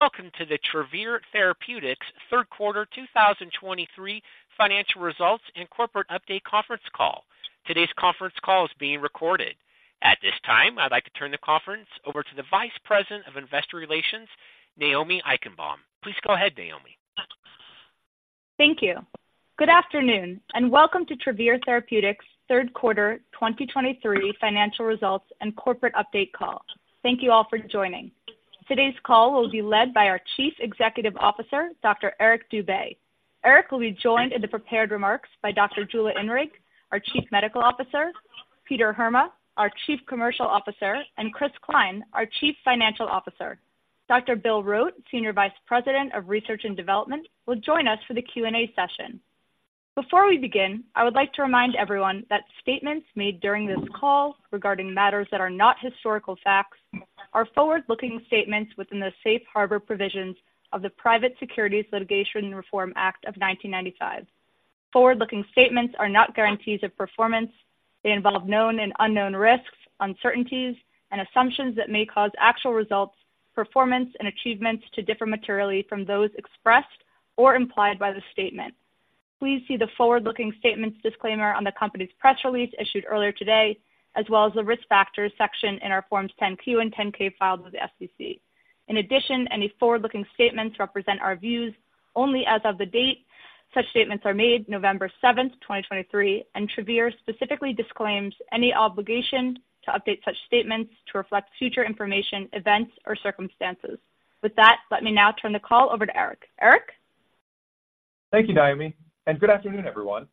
Welcome to the Travere Therapeutics third quarter 2023 financial results and corporate update conference call. Today's conference call is being recorded. At this time, I'd like to turn the conference over to the Vice President of Investor Relations, Naomi Eichenbaum. Please go ahead, Naomi. Thank you. Good afternoon, and welcome to Travere Therapeutics' third quarter 2023 financial results and corporate update call. Thank you all for joining. Today's call will be led by our Chief Executive Officer, Dr. Eric Dube. Eric will be joined in the prepared remarks by Dr. Jula Inrig, our Chief Medical Officer, Peter Heerma, our Chief Commercial Officer, and Chris Cline, our Chief Financial Officer. Dr. Bill Rote, Senior Vice President of Research and Development, will join us for the Q&A session. Before we begin, I would like to remind everyone that statements made during this call regarding matters that are not historical facts are forward-looking statements within the Safe Harbor provisions of the Private Securities Litigation Reform Act of 1995. Forward-looking statements are not guarantees of performance. They involve known and unknown risks, uncertainties, and assumptions that may cause actual results, performance, and achievements to differ materially from those expressed or implied by the statement. Please see the forward-looking statements disclaimer on the company's press release issued earlier today, as well as the risk factors section in our Forms 10-Q and 10-K filed with the SEC. In addition, any forward-looking statements represent our views only as of the date such statements are made, November 7, 2023, and Travere specifically disclaims any obligation to update such statements to reflect future information, events, or circumstances. With that, let me now turn the call over to Eric. Eric? Thank you, Naomi, and good afternoon, everyone.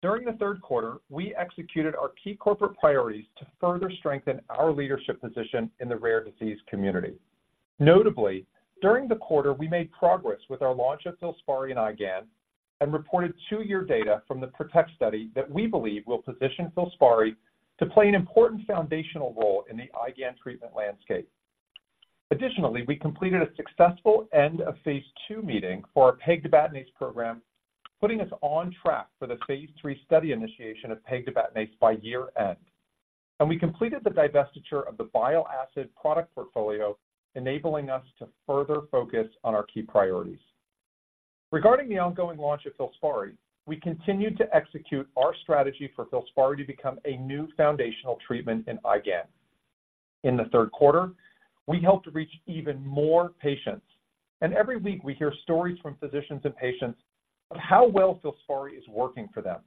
During the third quarter, we executed our key corporate priorities to further strengthen our leadership position in the rare disease community. Notably, during the quarter, we made progress with our launch of FILSPARI in IgAN and reported two-year data from the PROTECT study that we believe will position FILSPARI to play an important foundational role in the IgAN treatment landscape. Additionally, we completed a successful end of phase II meeting for our pegtibatinase program, putting us on track for the phase III study initiation of pegtibatinase by year-end. We completed the divestiture of the bile acid product portfolio, enabling us to further focus on our key priorities. Regarding the ongoing launch of FILSPARI, we continued to execute our strategy for FILSPARI to become a new foundational treatment in IgAN. In the third quarter, we helped reach even more patients, and every week we hear stories from physicians and patients of how well FILSPARI is working for them.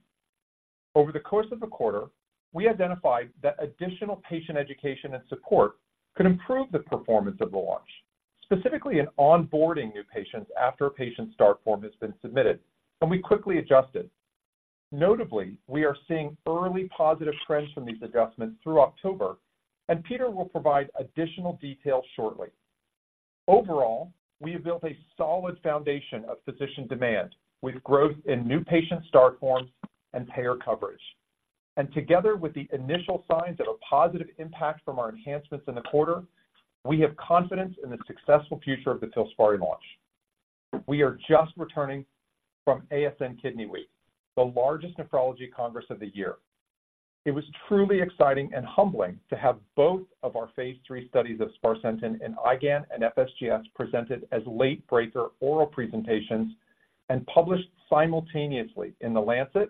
Over the course of the quarter, we identified that additional patient education and support could improve the performance of the launch, specifically in onboarding new patients after a patient's start form has been submitted, and we quickly adjusted. Notably, we are seeing early positive trends from these adjustments through October, and Peter will provide additional details shortly. Overall, we have built a solid foundation of physician demand, with growth in new patient start forms and payer coverage. And together with the initial signs of a positive impact from our enhancements in the quarter, we have confidence in the successful future of the FILSPARI launch. We are just returning from ASN Kidney Week, the largest nephrology congress of the year. It was truly exciting and humbling to have both of our phase III studies of sparsentan in IgAN and FSGS presented as late-breaker oral presentations and published simultaneously in The Lancet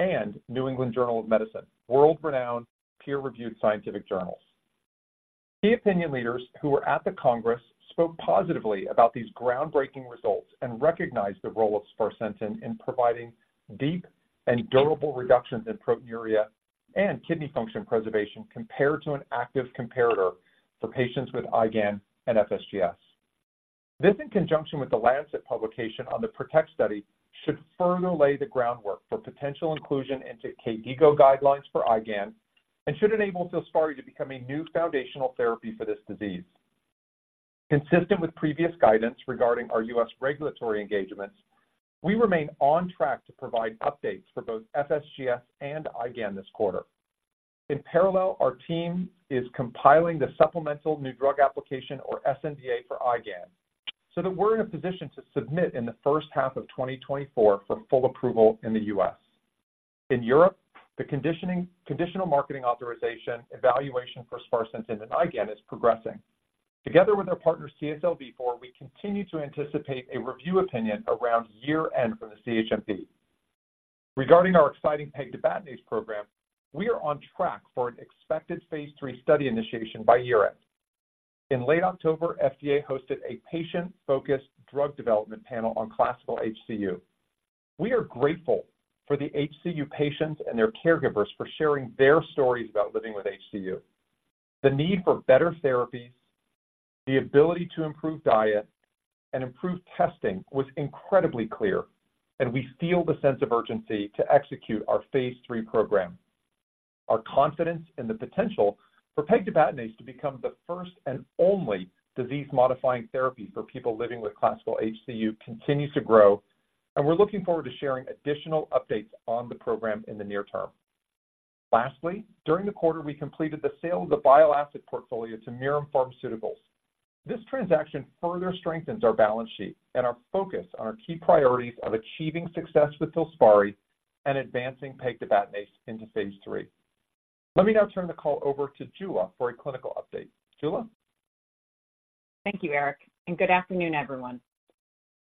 and New England Journal of Medicine, world-renowned peer-reviewed scientific journals. Key opinion leaders who were at the Congress spoke positively about these groundbreaking results and recognized the role of sparsentan in providing deep and durable reductions in proteinuria and kidney function preservation compared to an active comparator for patients with IgAN and FSGS. This, in conjunction with The Lancet publication on the PROTECT study, should further lay the groundwork for potential inclusion into KDIGO guidelines for IgAN and should enable FILSPARI to become a new foundational therapy for this disease. Consistent with previous guidance regarding our U.S. regulatory engagements, we remain on track to provide updates for both FSGS and IgAN this quarter. In parallel, our team is compiling the supplemental new drug application, or sNDA, for IgAN so that we're in a position to submit in the first half of 2024 for full approval in the U.S. In Europe, the conditional marketing authorization evaluation for sparsentan in IgAN is progressing. Together with our partner, CSL Vifor, we continue to anticipate a review opinion around year-end from the CHMP. Regarding our exciting pegtibatinase program, we are on track for an expected phase III study initiation by year-end. In late October, FDA hosted a patient-focused drug development panel on classical HCU. We are grateful for the HCU patients and their caregivers for sharing their stories about living with HCU. The need for better therapies, the ability to improve diet and improve testing was incredibly clear, and we feel the sense of urgency to execute our phase III program. Our confidence in the potential for pegtibatinase to become the first and only disease-modifying therapy for people living with classical HCU continues to grow, and we're looking forward to sharing additional updates on the program in the near term. Lastly, during the quarter, we completed the sale of the bile acid portfolio to Mirum Pharmaceuticals. This transaction further strengthens our balance sheet and our focus on our key priorities of achieving success with FILSPARI and advancing pegtibatinase into phase III. Let me now turn the call over to Jula for a clinical update. Jula? Thank you, Eric, and good afternoon, everyone.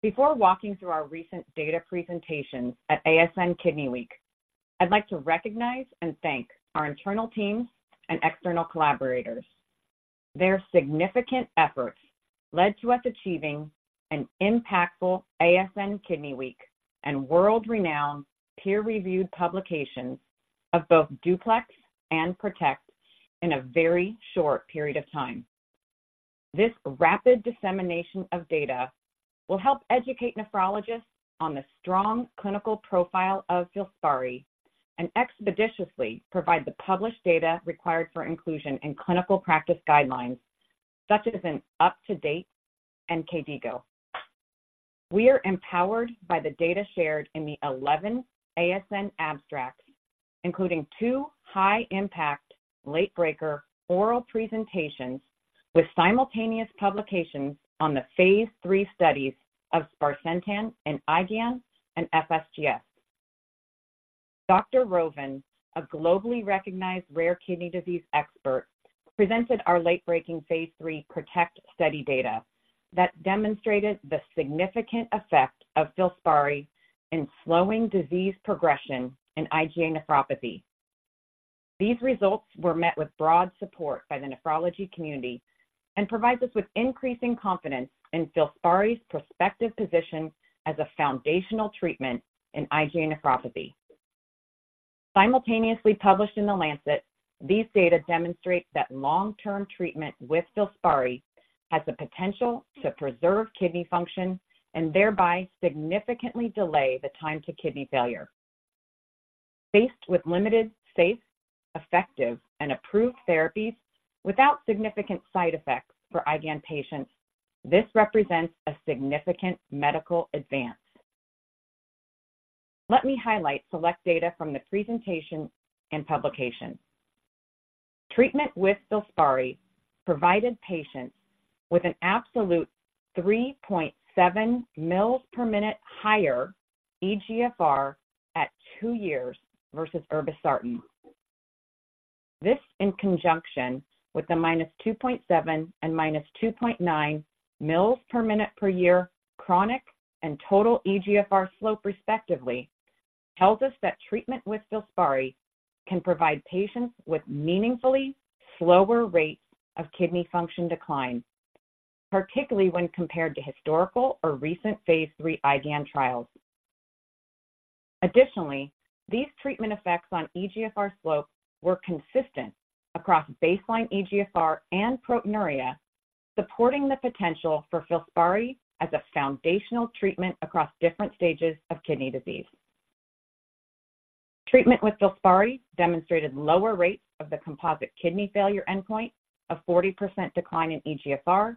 Before walking through our recent data presentations at ASN Kidney Week, I'd like to recognize and thank our internal teams and external collaborators. Their significant efforts led to us achieving an impactful ASN Kidney Week and world-renowned peer-reviewed publications of both DUPLEX and PROTECT in a very short period of time. This rapid dissemination of data will help educate nephrologists on the strong clinical profile of FILSPARI and expeditiously provide the published data required for inclusion in clinical practice guidelines, such as an up-to-date KDIGO. We are empowered by the data shared in the 11 ASN abstracts, including two high-impact, late-breaker oral presentations with simultaneous publications on the phase III studies of sparsentan in IgAN and FSGS. Dr. Rovin, a globally recognized rare kidney disease expert, presented our late-breaking phase III PROTECT study data that demonstrated the significant effect of FILSPARI in slowing disease progression in IgA nephropathy. These results were met with broad support by the nephrology community and provides us with increasing confidence in FILSPARI's prospective position as a foundational treatment in IgA nephropathy. Simultaneously published in The Lancet, these data demonstrate that long-term treatment with FILSPARI has the potential to preserve kidney function and thereby significantly delay the time to kidney failure. Faced with limited, safe, effective, and approved therapies without significant side effects for IgAN patients, this represents a significant medical advance. Let me highlight select data from the presentation and publication. Treatment with FILSPARI provided patients with an absolute 3.7 mL/min higher eGFR at two years versus irbesartan. This, in conjunction with the -2.7 and -2.9 mL/min/year chronic and total eGFR slope, respectively, tells us that treatment with FILSPARI can provide patients with meaningfully slower rates of kidney function decline, particularly when compared to historical or recent phase III IgAN trials. Additionally, these treatment effects on eGFR slope were consistent across baseline eGFR and proteinuria, supporting the potential for FILSPARI as a foundational treatment across different stages of kidney disease. Treatment with FILSPARI demonstrated lower rates of the composite kidney failure endpoint, a 40% decline in eGFR,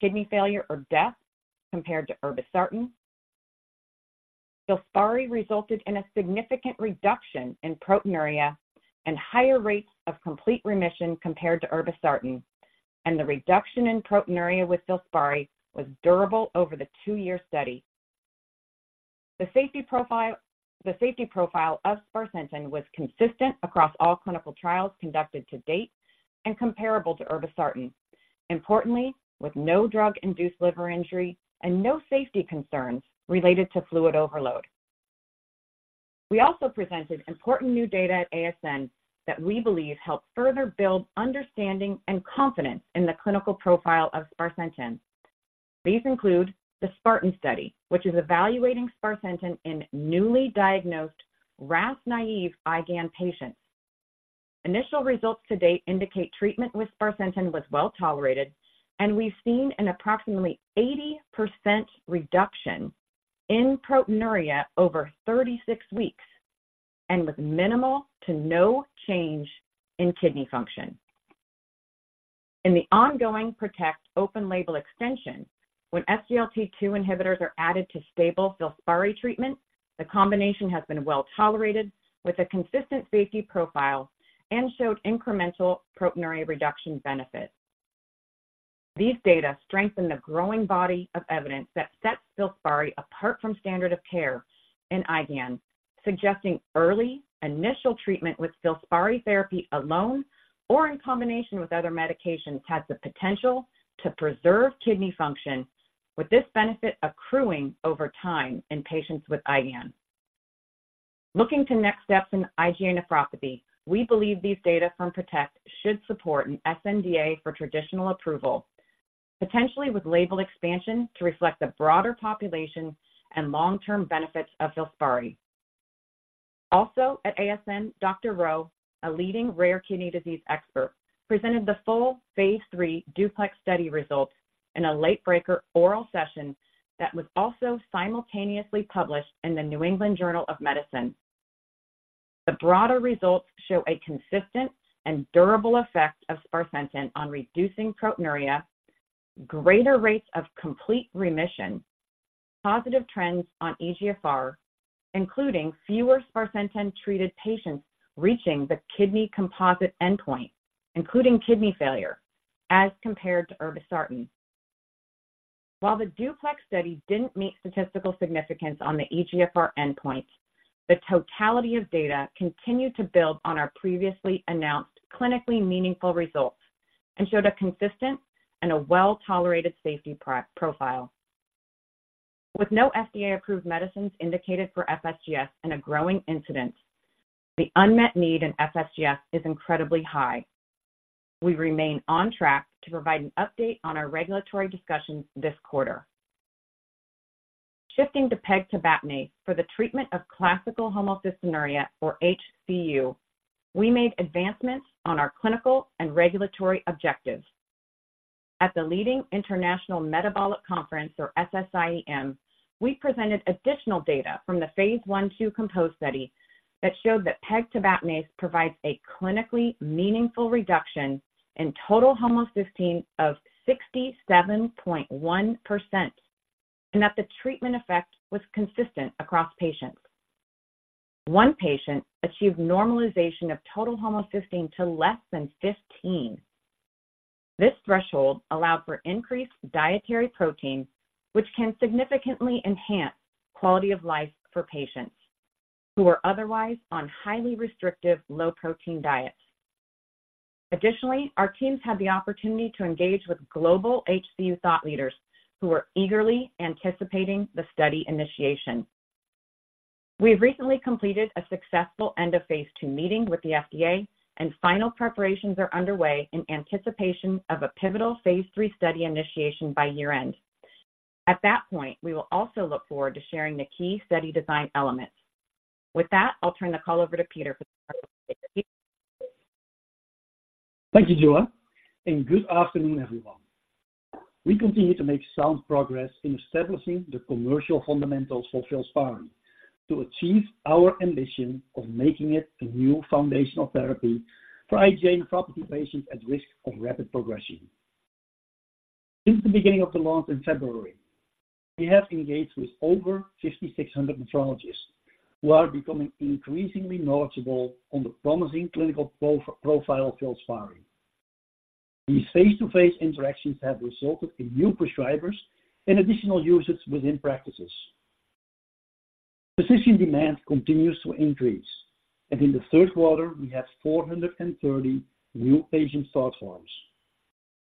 kidney failure, or death compared to irbesartan. FILSPARI resulted in a significant reduction in proteinuria and higher rates of complete remission compared to irbesartan, and the reduction in proteinuria with FILSPARI was durable over the two-year study. The safety profile of sparsentan was consistent across all clinical trials conducted to date and comparable to irbesartan, importantly, with no drug-induced liver injury and no safety concerns related to fluid overload. We also presented important new data at ASN that we believe help further build understanding and confidence in the clinical profile of sparsentan. These include the SPARTAN study, which is evaluating sparsentan in newly diagnosed RAS-naive IgAN patients. Initial results to date indicate treatment with sparsentan was well tolerated, and we've seen an approximately 80% reduction in proteinuria over 36 weeks and with minimal to no change in kidney function. In the ongoing PROTECT open label extension, when SGLT2 inhibitors are added to stable FILSPARI treatment, the combination has been well tolerated, with a consistent safety profile and showed incremental proteinuria reduction benefits. These data strengthen the growing body of evidence that sets FILSPARI apart from standard of care in IgAN, suggesting early initial treatment with FILSPARI therapy alone or in combination with other medications, has the potential to preserve kidney function, with this benefit accruing over time in patients with IgAN. Looking to next steps in IgA nephropathy, we believe these data from PROTECT should support an sNDA for traditional approval, potentially with label expansion, to reflect the broader population and long-term benefits of FILSPARI. Also, at ASN, Dr. Rheault, a leading rare kidney disease expert, presented the full phase III DUPLEX study results in a late-breaker oral session that was also simultaneously published in the New England Journal of Medicine. The broader results show a consistent and durable effect of sparsentan on reducing proteinuria, greater rates of complete remission, positive trends on eGFR, including fewer sparsentan-treated patients reaching the kidney composite endpoint, including kidney failure as compared to irbesartan. While the DUPLEX Study didn't meet statistical significance on the eGFR endpoint, the totality of data continued to build on our previously announced clinically meaningful results and showed a consistent and a well-tolerated safety profile. With no FDA-approved medicines indicated for FSGS and a growing incidence, the unmet need in FSGS is incredibly high. We remain on track to provide an update on our regulatory discussions this quarter. Shifting to pegtibatinase for the treatment of classical homocystinuria or HCU, we made advancements on our clinical and regulatory objectives. At the leading International Metabolic Conference, or SSIEM, we presented additional data from the phase I/II COMPOSE study that showed that pegtibatinase provides a clinically meaningful reduction in total homocysteine of 67.1%, and that the treatment effect was consistent across patients. One patient achieved normalization of total homocysteine to less than 15. This threshold allowed for increased dietary protein, which can significantly enhance quality of life for patients who are otherwise on highly restrictive, low-protein diets. Additionally, our teams had the opportunity to engage with global HCU thought leaders who are eagerly anticipating the study initiation. We have recently completed a successful end-of-phase II meeting with the FDA, and final preparations are underway in anticipation of a pivotal phase III study initiation by year-end. At that point, we will also look forward to sharing the key study design elements. With that, I'll turn the call over to Peter for the Thank you, Jula, and good afternoon, everyone. We continue to make sound progress in establishing the commercial fundamentals for FILSPARI to achieve our ambition of making it a new foundational therapy for IgA nephropathy patients at risk of rapid progression. Since the beginning of the launch in February, we have engaged with over 5,600 nephrologists, who are becoming increasingly knowledgeable on the promising clinical profile FILSPARI. These face-to-face interactions have resulted in new prescribers and additional users within practices. Physician demand continues to increase, and in the third quarter, we have 430 new patient start forms.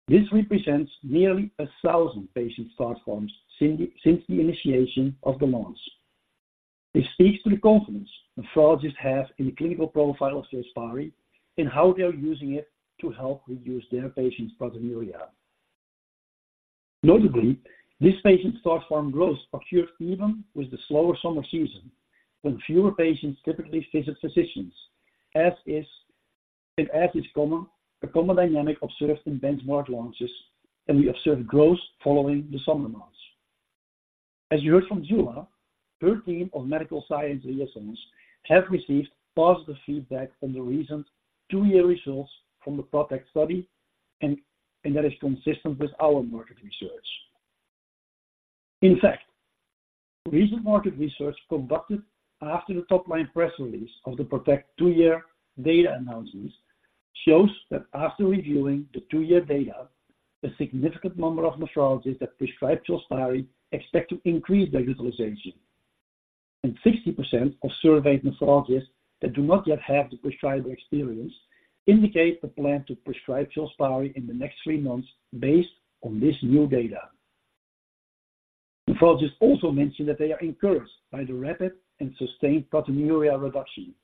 This represents nearly 1,000 patient start forms since the initiation of the launch. This speaks to the confidence nephrologists have in the clinical profile of FILSPARI and how they are using it to help reduce their patients' proteinuria. Notably, this patient start form growth occurred even with the slower summer season, when fewer patients typically visit physicians, as is common, a common dynamic observed in benchmark launches, and we observed growth following the summer months. As you heard from Jula, her team of medical science liaisons have received positive feedback from the recent two-year results from the PROTECT study, and that is consistent with our market research. In fact, recent market research conducted after the top-line press release of the PROTECT two-year data analysis shows that after reviewing the two-year data, a significant number of nephrologists that prescribe FILSPARI expect to increase their utilization. 60% of surveyed nephrologists that do not yet have the prescriber experience indicate a plan to prescribe FILSPARI in the next three months based on this new data. Nephrologists also mentioned that they are encouraged by the rapid and sustained proteinuria reduction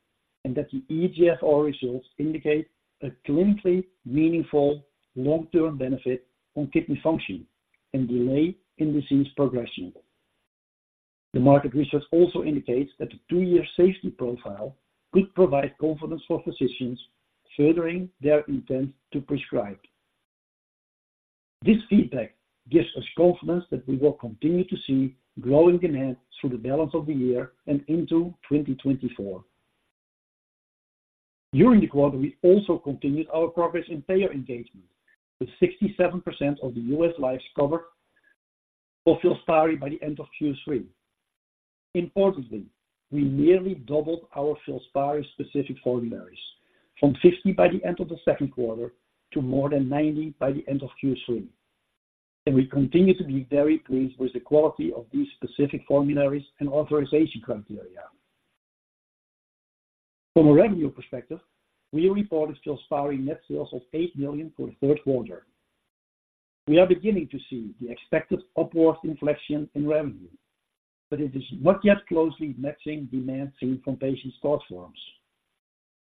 and that the eGFR results indicate a clinically meaningful long-term benefit on kidney function and delay in disease progression. The market research also indicates that the two-year safety profile could provide confidence for physicians furthering their intent to prescribe. This feedback gives us confidence that we will continue to see growing demand through the balance of the year and into 2024. During the quarter, we also continued our progress in payer engagement, with 67% of the U.S. lives covered for FILSPARI by the end of Q3. Importantly, we nearly doubled our FILSPARI-specific formularies from 50 by the end of the second quarter to more than 90 by the end of Q3. And we continue to be very pleased with the quality of these specific formularies and authorization criteria. From a revenue perspective, we reported FILSPARI net sales of $8 million for the third quarter. We are beginning to see the expected upward inflection in revenue, but it is not yet closely matching demand seen from patient start forms.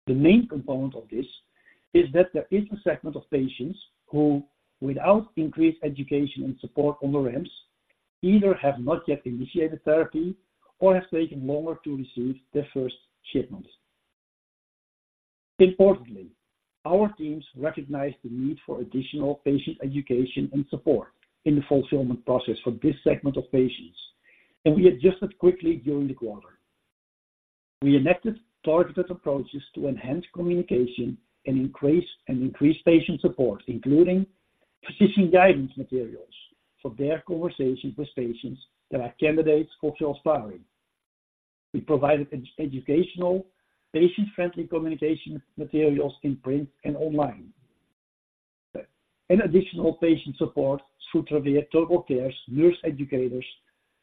The main component of this is that there is a segment of patients who, without increased education and support on the REMS, either have not yet initiated therapy or have taken longer to receive their first shipment. Importantly, our teams recognize the need for additional patient education and support in the fulfillment process for this segment of patients, and we adjusted quickly during the quarter. We enacted targeted approaches to enhance communication and increase patient support, including physician guidance materials for their conversations with patients that are candidates for FILSPARI. We provided educational, patient-friendly communication materials in print and online. Additional patient support through Travere Total Care's nurse educators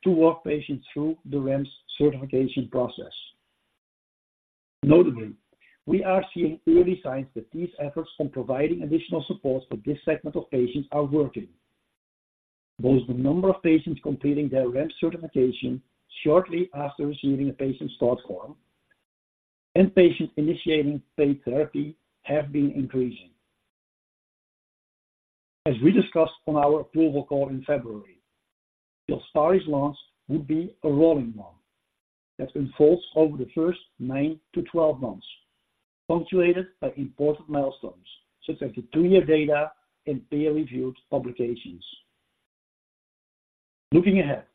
to walk patients through the REMS certification process. Notably, we are seeing early signs that these efforts on providing additional support for this segment of patients are working. Both the number of patients completing their REMS certification shortly after receiving a patient start form and patients initiating paid therapy have been increasing. As we discussed on our approval call in February, FILSPARI's launch would be a rolling one that unfolds over the first nine to 12 months, punctuated by important milestones such as the two-year data and peer-reviewed publications. Looking ahead,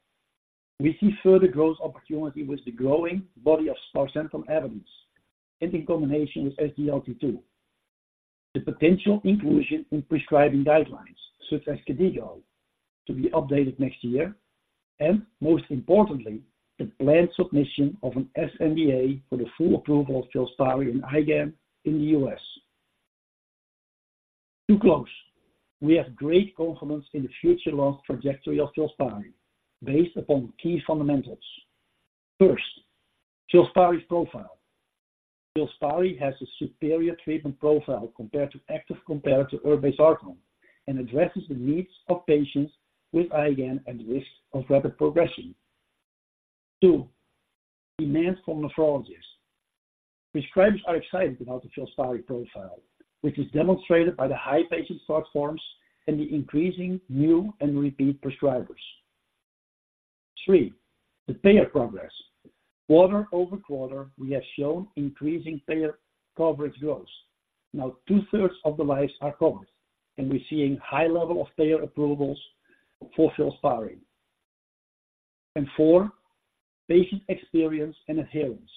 we see further growth opportunity with the growing body of sparsentan evidence and in combination with SGLT2, the potential inclusion in prescribing guidelines such as KDIGO, to be updated next year, and most importantly, the planned submission of an sNDA for the full approval of FILSPARI in IgAN in the U.S. To close, we have great confidence in the future launch trajectory of FILSPARI, based upon key fundamentals. First, FILSPARI's profile. FILSPARI has a superior treatment profile compared to active, compared to irbesartan, and addresses the needs of patients with IgAN and risk of rapid progression. Two, demand from nephrologists. Prescribers are excited about the FILSPARI profile, which is demonstrated by the high patient start forms and the increasing new and repeat prescribers. Three, the payer progress. Quarter-over-quarter, we have shown increasing payer coverage growth. Now, 2/3 of the lives are covered, and we're seeing high level of payer approvals for FILSPARI. And four, patient experience and adherence.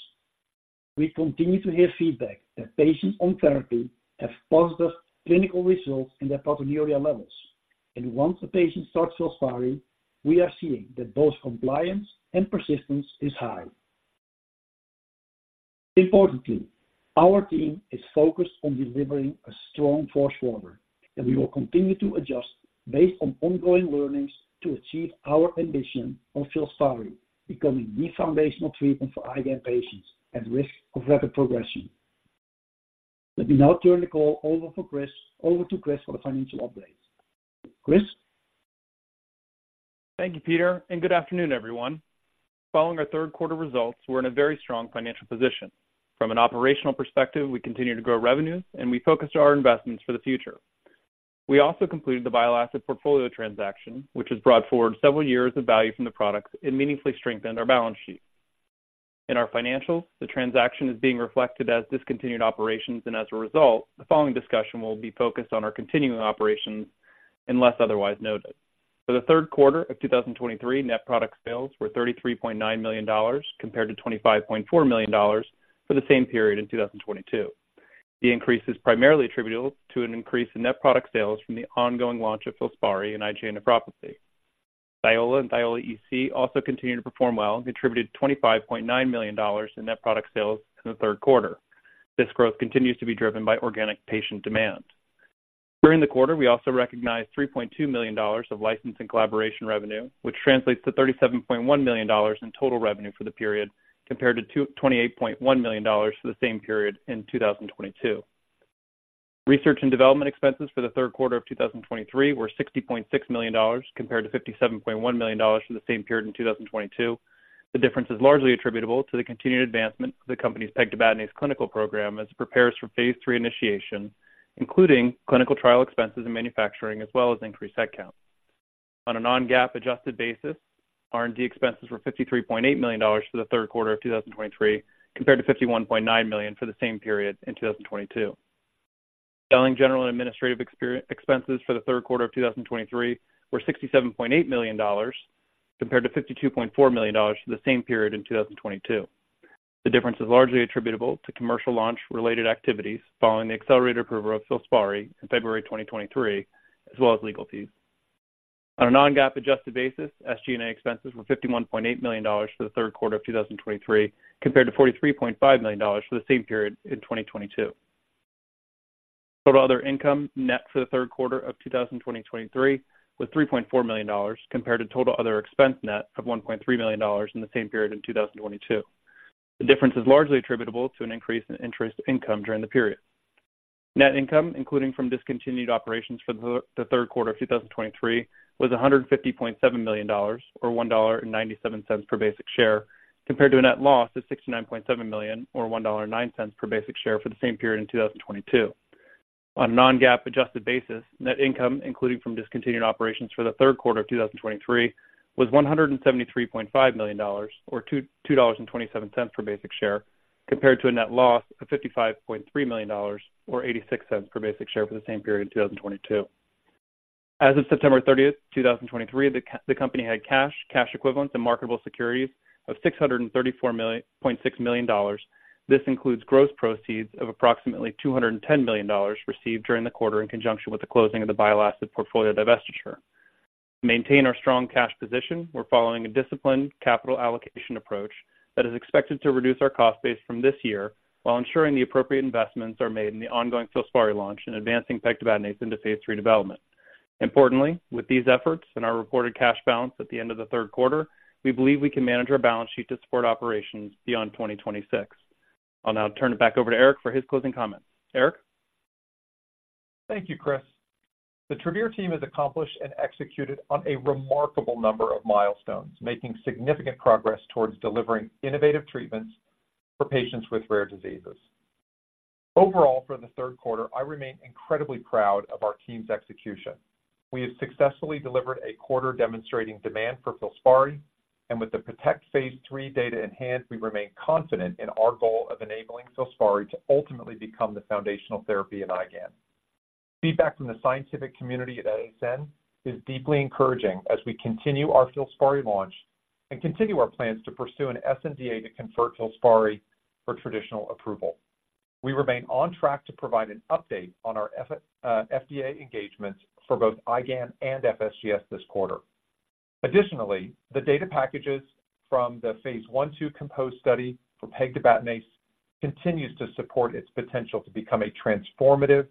We continue to hear feedback that patients on therapy have positive clinical results in their proteinuria levels, and once a patient starts FILSPARI, we are seeing that both compliance and persistence is high. Importantly, our team is focused on delivering a strong first-mover, and we will continue to adjust based on ongoing learnings to achieve our ambition of FILSPARI becoming the foundational treatment for IgAN patients at risk of rapid progression. Let me now turn the call over to Chris for the financial update. Chris? Thank you, Peter, and good afternoon, everyone. Following our third quarter results, we're in a very strong financial position. From an operational perspective, we continue to grow revenues, and we focused our investments for the future. We also completed the bile acid portfolio transaction, which has brought forward several years of value from the products and meaningfully strengthened our balance sheet. In our financials, the transaction is being reflected as discontinued operations, and as a result, the following discussion will be focused on our continuing operations, unless otherwise noted. For the third quarter of 2023, net product sales were $33.9 million, compared to $25.4 million for the same period in 2022. The increase is primarily attributable to an increase in net product sales from the ongoing launch of FILSPARI and IgA nephropathy. THIOLA and THIOLA EC also continued to perform well and contributed $25.9 million in net product sales in the third quarter. This growth continues to be driven by organic patient demand. During the quarter, we also recognized $3.2 million of license and collaboration revenue, which translates to $37.1 million in total revenue for the period, compared to $228.1 million for the same period in 2022. Research and development expenses for the third quarter of 2023 were $60.6 million, compared to $57.1 million for the same period in 2022. The difference is largely attributable to the continued advancement of the company's pegtibatinase's clinical program as it prepares for phase III initiation, including clinical trial expenses and manufacturing, as well as increased head count. On a non-GAAP-adjusted basis, R&D expenses were $53.8 million for the third quarter of 2023, compared to $51.9 million for the same period in 2022. Selling, general, and administrative expenses for the third quarter of 2023 were $67.8 million, compared to $52.4 million for the same period in 2022. The difference is largely attributable to commercial launch-related activities following the accelerated approval of FILSPARI in February 2023, as well as legal fees. On a non-GAAP-adjusted basis, SG&A expenses were $51.8 million for the third quarter of 2023, compared to $43.5 million for the same period in 2022. Total other income net for the third quarter of 2023 was $3.4 million, compared to total other expense net of $1.3 million in the same period in 2022. The difference is largely attributable to an increase in interest income during the period. Net income, including from discontinued operations for the third quarter of 2023, was $150.7 million, or $1.97 per basic share, compared to a net loss of $69.7 million, or $1.09 per basic share for the same period in 2022. On a non-GAAP adjusted basis, net income, including from discontinued operations for the third quarter of 2023, was $173.5 million, or $2.27 per basic share, compared to a net loss of $55.3 million, or $0.86 per basic share for the same period in 2022. As of September 30, 2023, the company had cash, cash equivalents and marketable securities of $634.6 million. This includes gross proceeds of approximately $210 million received during the quarter in conjunction with the closing of the bile acid portfolio divestiture maintain our strong cash position, we're following a disciplined capital allocation approach that is expected to reduce our cost base from this year, while ensuring the appropriate investments are made in the ongoing FILSPARI launch and advancing pegtibatinase into phase III development. Importantly, with these efforts and our reported cash balance at the end of the third quarter, we believe we can manage our balance sheet to support operations beyond 2026. I'll now turn it back over to Eric for his closing comments. Eric? Thank you, Chris. The Travere team has accomplished and executed on a remarkable number of milestones, making significant progress towards delivering innovative treatments for patients with rare diseases. Overall, for the third quarter, I remain incredibly proud of our team's execution. We have successfully delivered a quarter demonstrating demand for FILSPARI, and with the PROTECT phase III data in hand, we remain confident in our goal of enabling FILSPARI to ultimately become the foundational therapy in IgAN. Feedback from the scientific community at ASN is deeply encouraging as we continue our FILSPARI launch and continue our plans to pursue an sNDA to convert FILSPARI for traditional approval. We remain on track to provide an update on our FDA engagements for both IgAN and FSGS this quarter. Additionally, the data packages from the phase I/II COMPOSE study for pegtibatinase continues to support its potential to become a transformative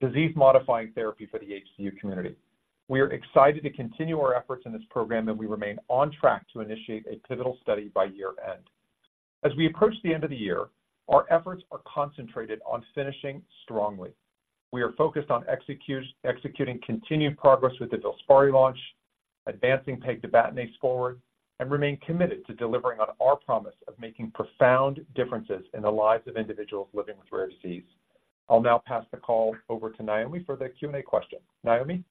disease-modifying therapy for the HCU community. We are excited to continue our efforts in this program, and we remain on track to initiate a pivotal study by year-end. As we approach the end of the year, our efforts are concentrated on finishing strongly. We are focused on executing continued progress with the FILSPARI launch, advancing pegtibatinase forward, and remain committed to delivering on our promise of making profound differences in the lives of individuals living with rare disease. I'll now pass the call over to Naomi for the Q&A question. Naomi?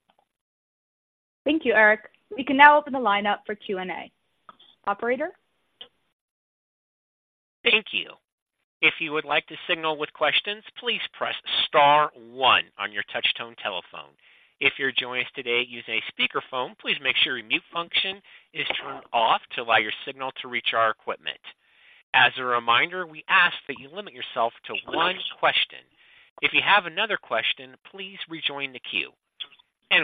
Thank you, Eric. We can now open the line up for Q&A. Operator? Thank you. If you would like to signal with questions, please press star one on your touchtone telephone. If you're joining us today using a speakerphone, please make sure your mute function is turned off to allow your signal to reach our equipment. As a reminder, we ask that you limit yourself to one question. If you have another question, please rejoin the queue.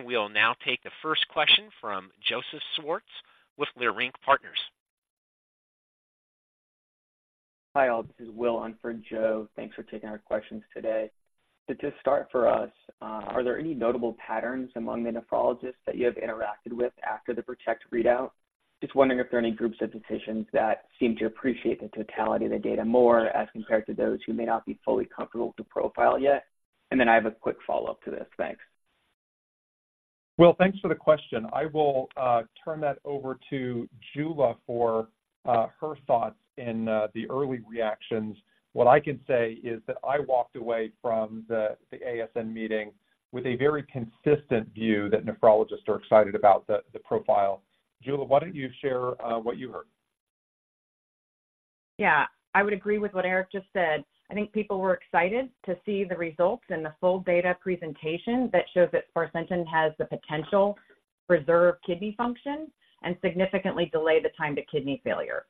We'll now take the first question from Joseph Schwartz with Leerink Partners. Hi, all. This is Will in for Joe. Thanks for taking our questions today. To just start for us, are there any notable patterns among the nephrologists that you have interacted with after the PROTECT readout? Just wondering if there are any groups of physicians that seem to appreciate the totality of the data more, as compared to those who may not be fully comfortable with the profile yet. Then I have a quick follow-up to this. Thanks. Will, thanks for the question. I will turn that over to Jula for her thoughts in the early reactions. What I can say is that I walked away from the ASN meeting with a very consistent view that nephrologists are excited about the profile. Jula, why don't you share what you heard? Yeah, I would agree with what Eric just said. I think people were excited to see the results and the full data presentation that shows that sparsentan has the potential to preserve kidney function and significantly delay the time to kidney failure.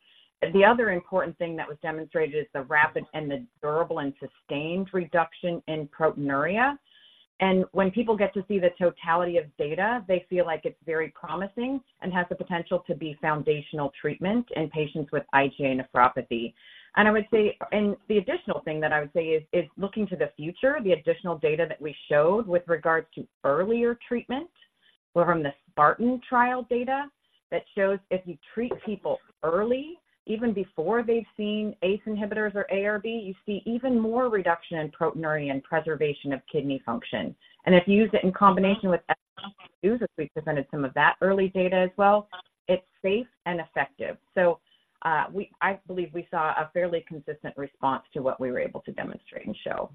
The other important thing that was demonstrated is the rapid and the durable and sustained reduction in proteinuria. And when people get to see the totality of data, they feel like it's very promising and has the potential to be foundational treatment in patients with IgA nephropathy. The additional thing that I would say is looking to the future, the additional data that we showed with regards to earlier treatment were from the SPARTAN trial data, that shows if you treat people early, even before they've seen ACE inhibitors or ARB, you see even more reduction in proteinuria and preservation of kidney function. And if you use it in combination with, we presented some of that early data as well. It's safe and effective. So, I believe we saw a fairly consistent response to what we were able to demonstrate and show.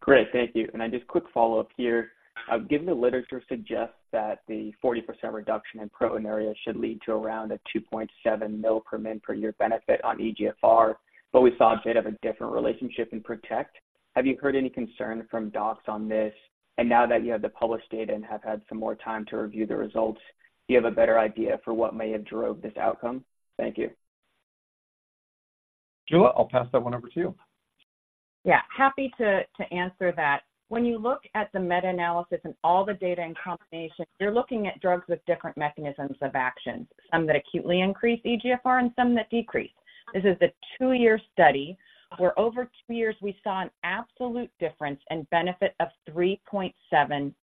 Great. Thank you. I just quick follow-up here. Given the literature suggests that the 40% reduction in proteinuria should lead to around a 2.7 mL/min/year benefit on eGFR, but we saw a bit of a different relationship in PROTECT, have you heard any concern from docs on this? And now that you have the published data and have had some more time to review the results, do you have a better idea for what may have drove this outcome? Thank you. Jula, I'll pass that one over to you. Yeah, happy to, to answer that. When you look at the meta-analysis and all the data in combination, you're looking at drugs with different mechanisms of action, some that acutely increase eGFR and some that decrease. This is a two-year study, where over two years we saw an absolute difference in benefit of 3.7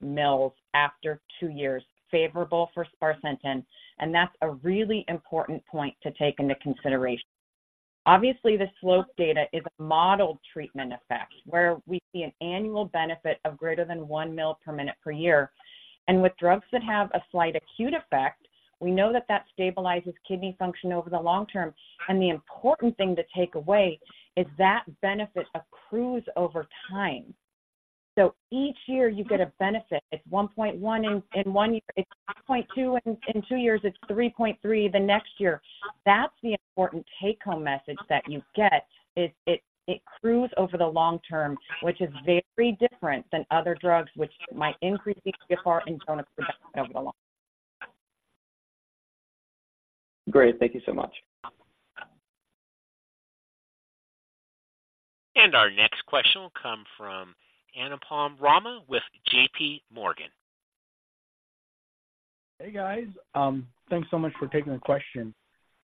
mL after two years, favorable for sparsentan, and that's a really important point to take into consideration. Obviously, the slope data is a modeled treatment effect, where we see an annual benefit of greater than 1 mL/min/year. And with drugs that have a slight acute effect, we know that that stabilizes kidney function over the long term, and the important thing to take away is that benefit accrues over time. So each year you get a benefit. It's 1.1 mL/min/year in one year, it's 0.2 mL/min/year, and in two years, it's 3.3 mL/min/year the next year. That's the important take-home message that you get, is it, it accrues over the long term, which is very different than other drugs, which might increase eGFR and don't have production over the long term. Great. Thank you so much. Our next question will come from Anupam Rama with JPMorgan. Hey, guys. Thanks so much for taking the question.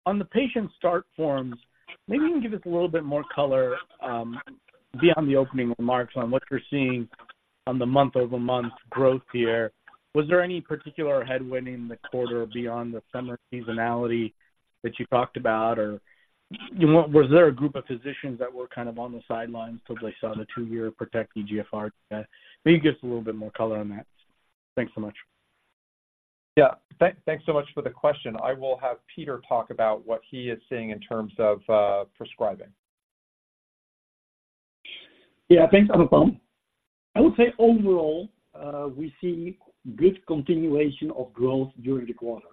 On the patient start forms, maybe you can give us a little bit more color beyond the opening remarks on what you're seeing on the month-over-month growth here. Was there any particular headwind in the quarter beyond the summer seasonality that you talked about? Or, you know, was there a group of physicians that were kind of on the sidelines until they saw the two-year PROTECT eGFR data? Maybe give us a little bit more color on that. Thanks so much. Yeah. Thanks, thanks so much for the question. I will have Peter talk about what he is seeing in terms of prescribing. Yeah, thanks, Anupam. I would say overall, we see good continuation of growth during the quarter,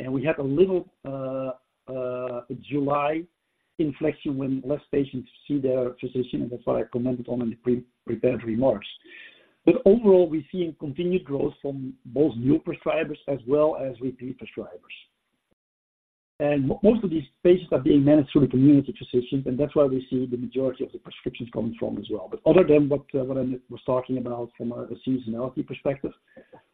and we had a little July inflection when less patients see their physician, and that's what I commented on in the pre-prepared remarks. But overall, we're seeing continued growth from both new prescribers as well as repeat prescribers. And most of these patients are being managed through the community physicians, and that's why we see the majority of the prescriptions coming from as well. But other than what I was talking about from a seasonality perspective,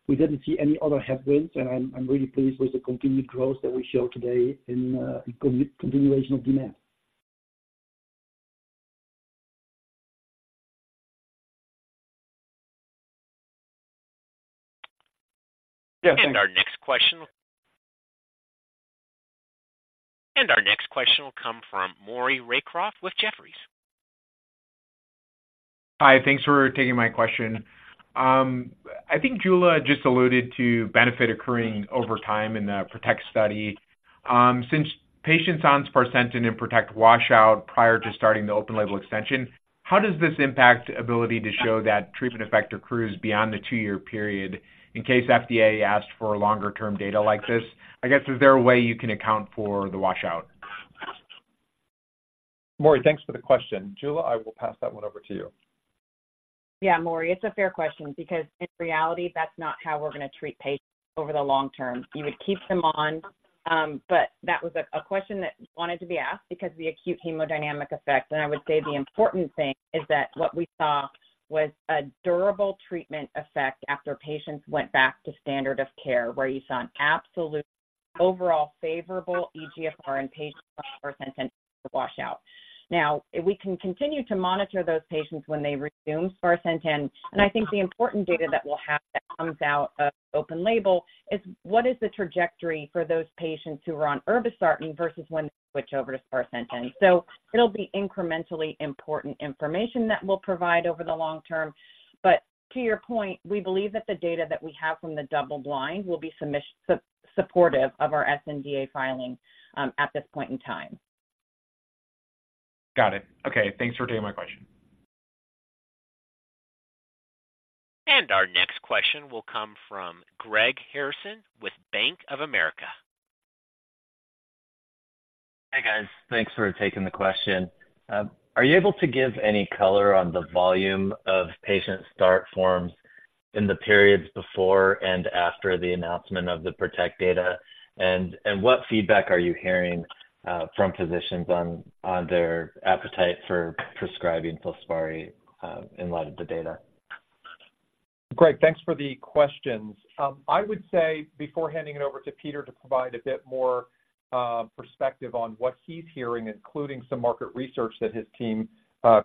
we didn't see any other headwinds, and I'm really pleased with the continued growth that we show today in continuation of demand. Yeah. Our next question will come from Maury Raycroft with Jefferies. Hi, thanks for taking my question. I think Jula just alluded to benefit occurring over time in the PROTECT study. Since patients on sparsentan in PROTECT washout prior to starting the open-label extension, how does this impact ability to show that treatment effect occurs beyond the two-year period in case FDA asks for longer-term data like this? I guess, is there a way you can account for the washout? Maury, thanks for the question. Jula, I will pass that one over to you. Yeah, Maury, it's a fair question because in reality, that's not how we're going to treat patients over the long term. You would keep them on, but that was a question that wanted to be asked because the acute hemodynamic effect. I would say the important thing is that what we saw was a durable treatment effect after patients went back to standard of care, where you saw an absolute overall favorable eGFR in patients on sparsentan washout. Now, we can continue to monitor those patients when they resume sparsentan, and I think the important data that we'll have that comes out of open label is what is the trajectory for those patients who are on irbesartan versus when they switch over to sparsentan. It'll be incrementally important information that we'll provide over the long term. But to your point, we believe that the data that we have from the double-blind will be supportive of our sNDA filing, at this point in time. Got it. Okay. Thanks for taking my question. Our next question will come from Greg Harrison with Bank of America. Hi, guys. Thanks for taking the question. Are you able to give any color on the volume of patient start forms in the periods before and after the announcement of the PROTECT data? And what feedback are you hearing from physicians on their appetite for prescribing FILSPARI in light of the data? Greg, thanks for the questions. I would say, before handing it over to Peter to provide a bit more perspective on what he's hearing, including some market research that his team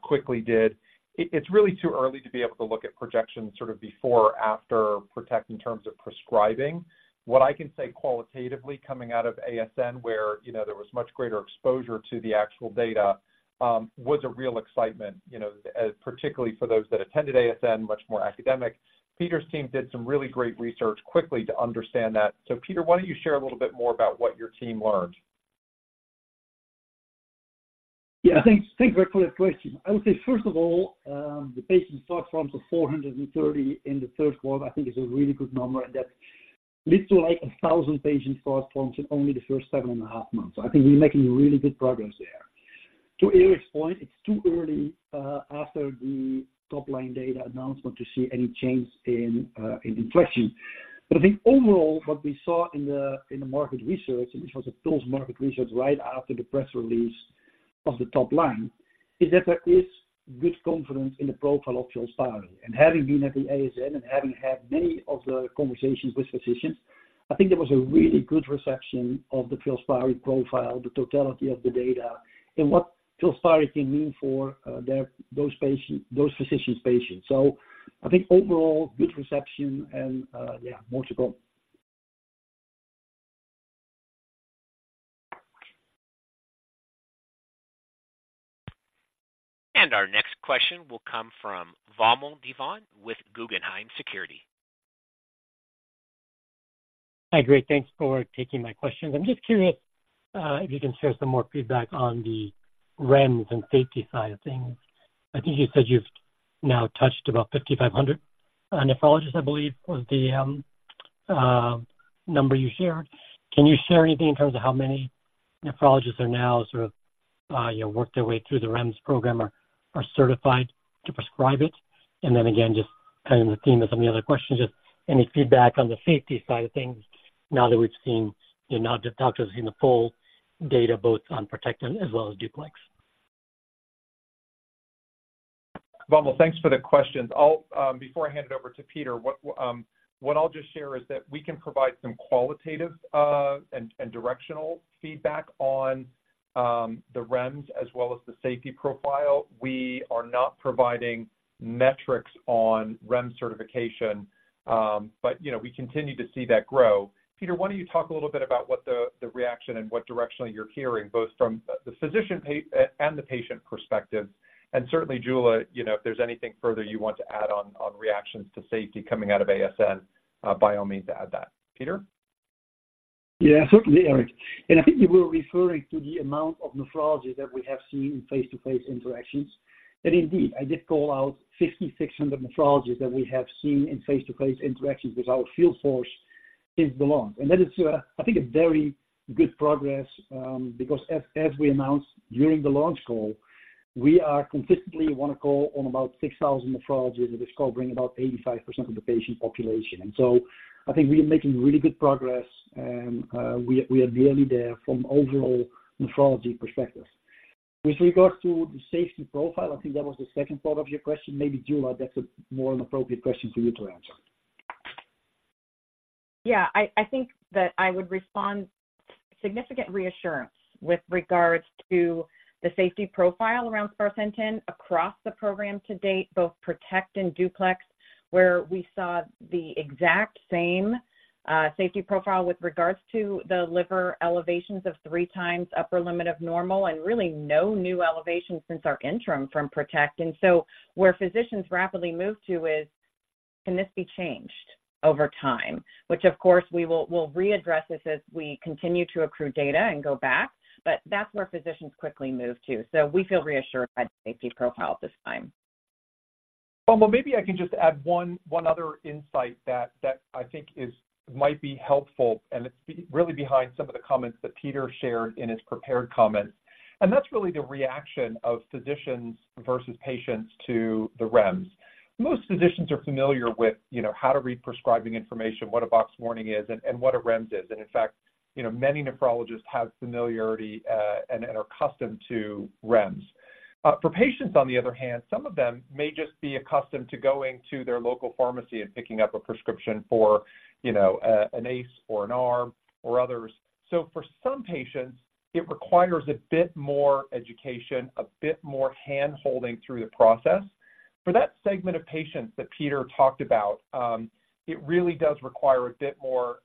quickly did. It's really too early to be able to look at projections sort of before or after PROTECT in terms of prescribing. What I can say qualitatively coming out of ASN, where, you know, there was much greater exposure to the actual data, was a real excitement, you know, particularly for those that attended ASN, much more academic. Peter's team did some really great research quickly to understand that. So Peter, why don't you share a little bit more about what your team learned? Yeah, thanks, thanks, Greg, for that question. I would say, first of all, the patient start forms of 430 in the third quarter, I think is a really good number, and that leads to like 1,000 patient start forms in only the first seven and a half months. So I think we're making really good progress there. To Eric's point, it's too early after the top-line data announcement to see any change in inflection. But I think overall, what we saw in the market research, and this was a post-market research right after the press release of the top line, is that there is good confidence in the profile of FILSPARI. Having been at the ASN and having had many of the conversations with physicians, I think there was a really good reception of the FILSPARI profile, the totality of the data, and what FILSPARI can mean for those patients, those physicians' patients. I think overall good reception and, yeah, more to go. Our next question will come from Vamil Divan with Guggenheim Securities. Hi, great, thanks for taking my questions. I'm just curious if you can share some more feedback on the REMS and safety side of things. I think you said you've now touched about 5,500 nephrologists, I believe, was the number you shared. Can you share anything in terms of how many nephrologists are now sort of, you know, worked their way through the REMS program or are certified to prescribe it? And then again, just kind of in the theme of some of the other questions, just any feedback on the safety side of things now that we've seen, you know, now doctors have seen the full data both on PROTECT and as well as DUPLEX? Vamil, thanks for the questions. I'll, before I hand it over to Peter, what I'll just share is that we can provide some qualitative and directional feedback on the REMS as well as the safety profile. We are not providing metrics on REMS certification, but, you know, we continue to see that grow. Peter, why don't you talk a little bit about what the reaction and what directionally you're hearing, both from the physician and the patient perspective? And certainly, Jula, you know, if there's anything further you want to add on reactions to safety coming out of ASN, by all means, add that. Peter? Yeah, certainly, Eric. And I think you were referring to the amount of nephrology that we have seen in face-to-face interactions. And indeed, I did call out 5,600 nephrologists that we have seen in face-to-face interactions with our field force since the launch. And that is, I think, a very good progress, because as we announced during the launch call, we are consistently want to call on about 6,000 nephrologists, and it's covering about 85% of the patient population. And so I think we are making really good progress, and we are nearly there from overall nephrology perspective. With regards to the safety profile, I think that was the second part of your question. Maybe, Jula, that's a more an appropriate question for you to answer. Yeah, I think that I would respond, significant reassurance with regards to the safety profile around sparsentan across the program to date, both PROTECT and DUPLEX, where we saw the exact same safety profile with regards to the liver elevations of three times upper limit of normal, and really no new elevations since our interim from PROTECT. And so where physicians rapidly move to is, can this be changed over time? Which, of course, we'll readdress this as we continue to accrue data and go back, but that's where physicians quickly move to. So we feel reassured by the safety profile at this time. Well, maybe I can just add one other insight that I think is... might be helpful, and it's really behind some of the comments that Peter shared in his prepared comments. And that's really the reaction of physicians versus patients to the REMS. Most physicians are familiar with, you know, how to read prescribing information, what a box warning is, and what a REMS is. And in fact, you know, many nephrologists have familiarity and are accustomed to REMS. For patients, on the other hand, some of them may just be accustomed to going to their local pharmacy and picking up a prescription for, you know, an ACE or an ARB or others. So for some patients, it requires a bit more education, a bit more hand-holding through the process. For that segment of patients that Peter talked about, it really does require a bit more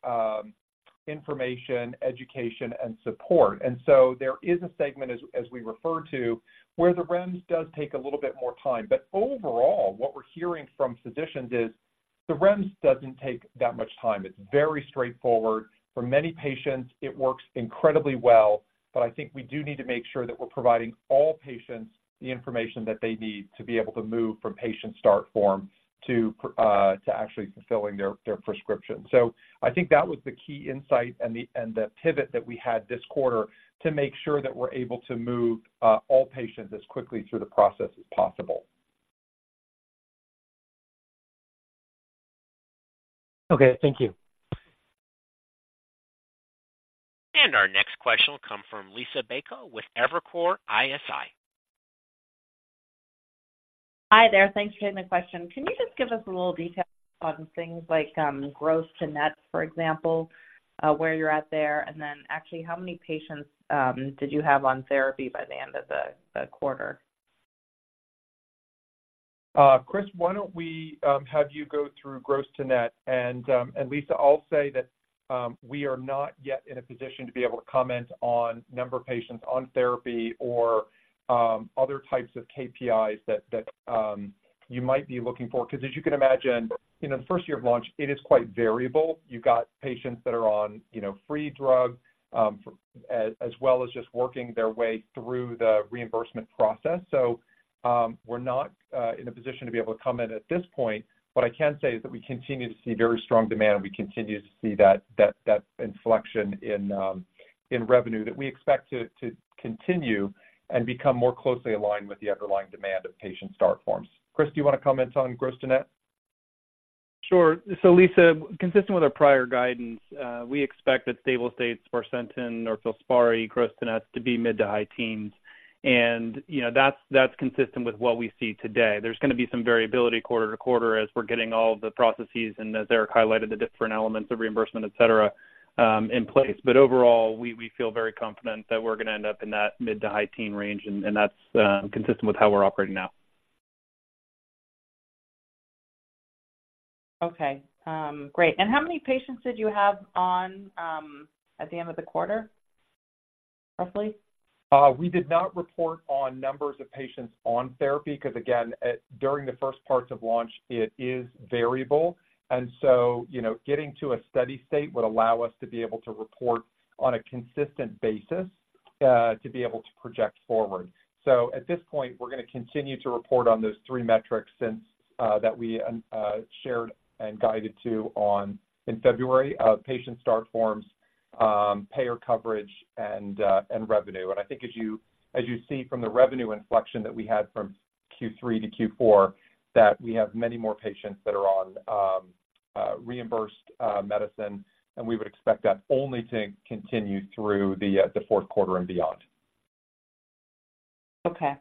information, education, and support. And so there is a segment, as we refer to, where the REMS does take a little bit more time. But overall, what we're hearing from physicians is the REMS doesn't take that much time. It's very straightforward. For many patients, it works incredibly well. But I think we do need to make sure that we're providing all patients the information that they need to be able to move from patient start form to actually fulfilling their prescription. So I think that was the key insight and the pivot that we had this quarter to make sure that we're able to move all patients as quickly through the process as possible. Okay. Thank you. Our next question will come from Liisa Bayko with Evercore ISI. Hi there. Thanks for taking the question. Can you just give us a little detail on things like, gross to net, for example, where you're at there? And then actually, how many patients did you have on therapy by the end of the quarter? Chris, why don't we have you go through gross to net? And Liisa, I'll say that we are not yet in a position to be able to comment on number of patients on therapy or other types of KPIs that you might be looking for. Because as you can imagine, in the first year of launch, it is quite variable. You've got patients that are on, you know, free drug, as well as just working their way through the reimbursement process. So, we're not in a position to be able to comment at this point. What I can say is that we continue to see very strong demand, and we continue to see that inflection in revenue that we expect to continue and become more closely aligned with the underlying demand of patient start forms. Chris, do you want to comment on gross to net? Sure. So Liisa, consistent with our prior guidance, we expect that stable state sparsentan or FILSPARI gross to net to be mid to high teens, and, you know, that's, that's consistent with what we see today. There's going to be some variability quarter to quarter as we're getting all of the processes, and as Eric highlighted, the different elements of reimbursement, et cetera, in place. But overall, we, we feel very confident that we're going to end up in that mid to high teen range, and, and that's, consistent with how we're operating now. Okay. Great. And how many patients did you have on, at the end of the quarter, roughly? We did not report on numbers of patients on therapy, because again, during the first parts of launch, it is variable. And so, you know, getting to a steady state would allow us to be able to report on a consistent basis to be able to project forward. So at this point, we're going to continue to report on those three metrics since that we shared and guided to on in February of patient start forms, payer coverage and revenue. And I think as you see from the revenue inflection that we had from Q3 to Q4, that we have many more patients that are on reimbursed medicine, and we would expect that only to continue through the fourth quarter and beyond. Okay.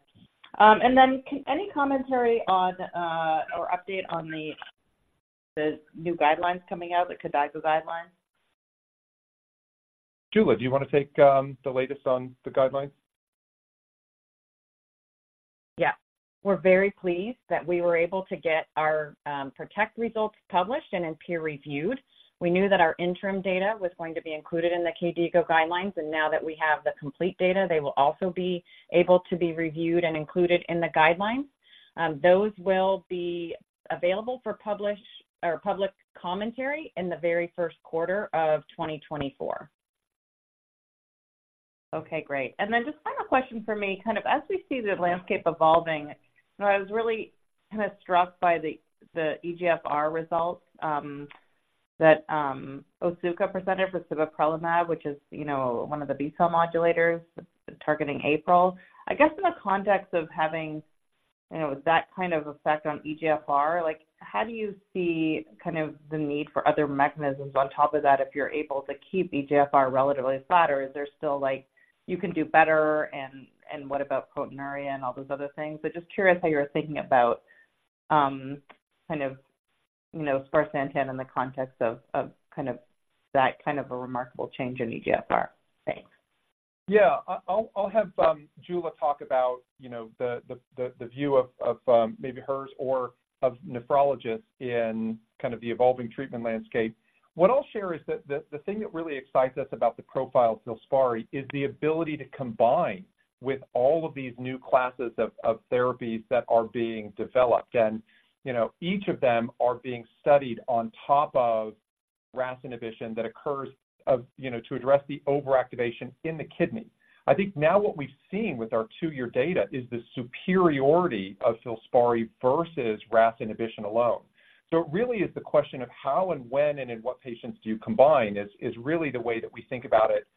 And then any commentary on, or update on the, the new guidelines coming out, the KDIGO guidelines? Jula, do you want to take the latest on the guidelines? Yeah. We're very pleased that we were able to get our PROTECT results published and in peer-reviewed. We knew that our interim data was going to be included in the KDIGO guidelines, and now that we have the complete data, they will also be able to be reviewed and included in the guidelines. Those will be available for publish or public commentary in the very first quarter of 2024. Okay, great. And then just final question for me, kind of as we see the landscape evolving, and I was really kind of struck by the eGFR results that Otsuka presented for sibeprenlimab, which is, you know, one of the B-cell modulators targeting APRIL. I guess, in the context of having, you know, that kind of effect on eGFR, like, how do you see kind of the need for other mechanisms on top of that, if you're able to keep eGFR relatively flat, or is there still, like, you can do better and what about proteinuria and all those other things? But just curious how you're thinking about, kind of, you know, sparsentan in the context of that kind of a remarkable change in eGFR. Thanks. Yeah. I'll have Jula talk about, you know, the view of maybe hers or of nephrologists in kind of the evolving treatment landscape. What I'll share is that the thing that really excites us about the profile of FILSPARI is the ability to combine with all of these new classes of therapies that are being developed. And, you know, each of them are being studied on top of RAS inhibition that occurs to address the overactivation in the kidney. I think now what we've seen with our two-year data is the superiority of FILSPARI versus RAS inhibition alone. So it really is the question of how and when and in what patients do you combine, is really the way that we think about it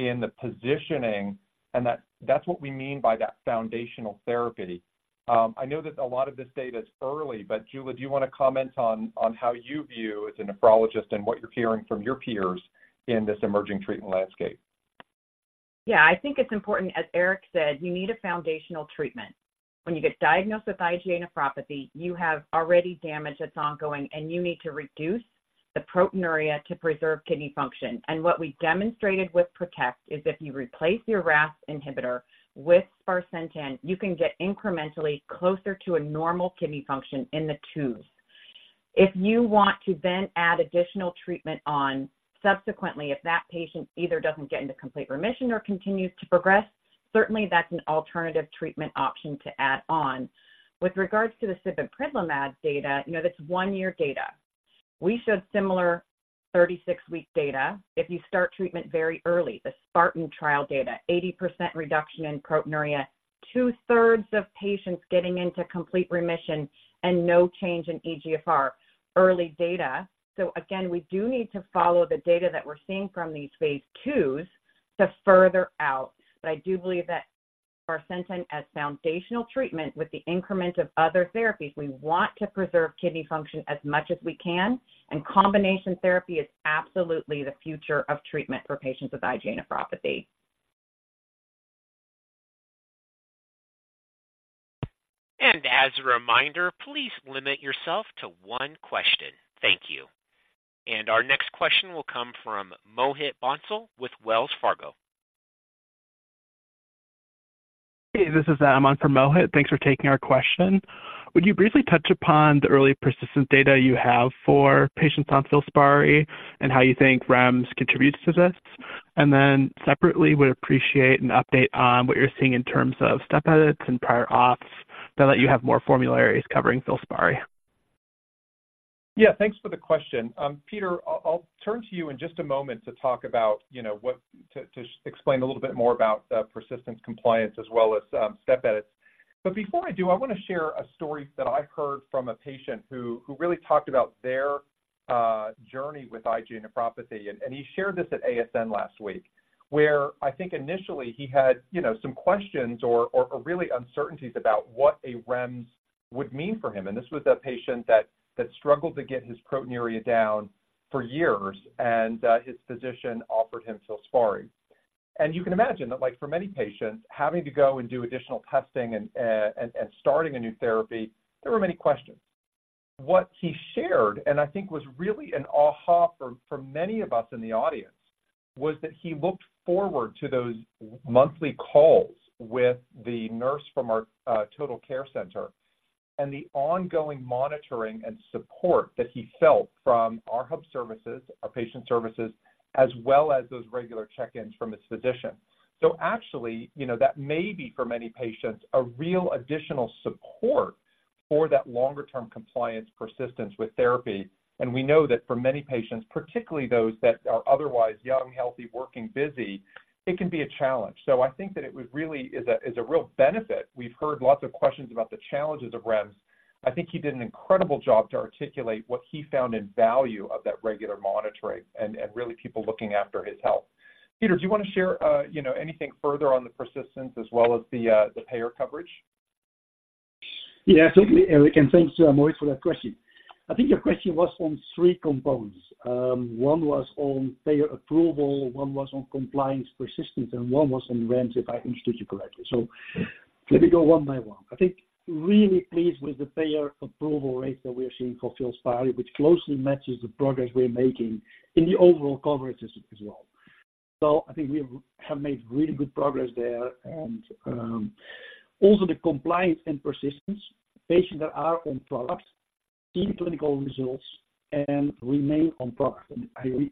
in the positioning, and that's what we mean by that foundational therapy. I know that a lot of this data is early, but Jula, do you want to comment on how you view as a nephrologist and what you're hearing from your peers in this emerging treatment landscape? Yeah, I think it's important. As Eric said, you need a foundational treatment. When you get diagnosed with IgA Nephropathy, you have already damage that's ongoing, and you need to reduce the proteinuria to preserve kidney function. And what we demonstrated with PROTECT is if you replace your RAS inhibitor with sparsentan, you can get incrementally closer to a normal kidney function in the twos. If you want to then add additional treatment on subsequently, if that patient either doesn't get into complete remission or continues to progress, certainly that's an alternative treatment option to add on. With regards to the sibeprenlimab data, you know, that's one-year data. We showed similar 36-week data. If you start treatment very early, the SPARTAN trial data, 80% reduction in proteinuria, 2/3 of patients getting into complete remission and no change in eGFR. Early data. So again, we do need to follow the data that we're seeing from these phase IIs to further out. But I do believe that sparsentan as foundational treatment with the increment of other therapies, we want to preserve kidney function as much as we can, and combination therapy is absolutely the future of treatment for patients with IgA nephropathy. As a reminder, please limit yourself to one question. Thank you. Our next question will come from Mohit Bansal with Wells Fargo. Hey, this is Aman for Mohit. Thanks for taking our question. Would you briefly touch upon the early persistence data you have for patients on FILSPARI and how you think REMS contributes to this? And then separately, would appreciate an update on what you're seeing in terms of step edits and prior auths that let you have more formularies covering FILSPARI. Yeah, thanks for the question. Peter, I'll turn to you in just a moment to talk about, you know, to explain a little bit more about persistence, compliance, as well as step edits. But before I do, I want to share a story that I heard from a patient who really talked about their journey with IgA nephropathy, and he shared this at ASN last week, where I think initially he had, you know, some questions or really uncertainties about what a REMS would mean for him. And this was a patient that struggled to get his proteinuria down for years, and his physician offered him FILSPARI. And you can imagine that, like for many patients, having to go and do additional testing and starting a new therapy, there were many questions. What he shared, and I think was really an aha for many of us in the audience, was that he looked forward to those monthly calls with the nurse from our total care center and the ongoing monitoring and support that he felt from our hub services, our patient services, as well as those regular check-ins from his physician. So actually, you know, that may be, for many patients, a real additional support for that longer-term compliance, persistence with therapy. And we know that for many patients, particularly those that are otherwise young, healthy, working, busy, it can be a challenge. So I think that it really is a real benefit. We've heard lots of questions about the challenges of REMS. I think he did an incredible job to articulate what he found in value of that regular monitoring and really people looking after his health.... Peter, do you want to share, you know, anything further on the persistence as well as the payer coverage? Yeah, absolutely, Eric, and thanks, Maury, for that question. I think your question was on three components. One was on payer approval, one was on compliance persistence, and one was on REMS, if I understood you correctly. So let me go one by one. I think really pleased with the payer approval rate that we are seeing for FILSPARI, which closely matches the progress we're making in the overall coverage as well. So I think we have made really good progress there. And also the compliance and persistence. Patients that are on products, see clinical results and remain on product. And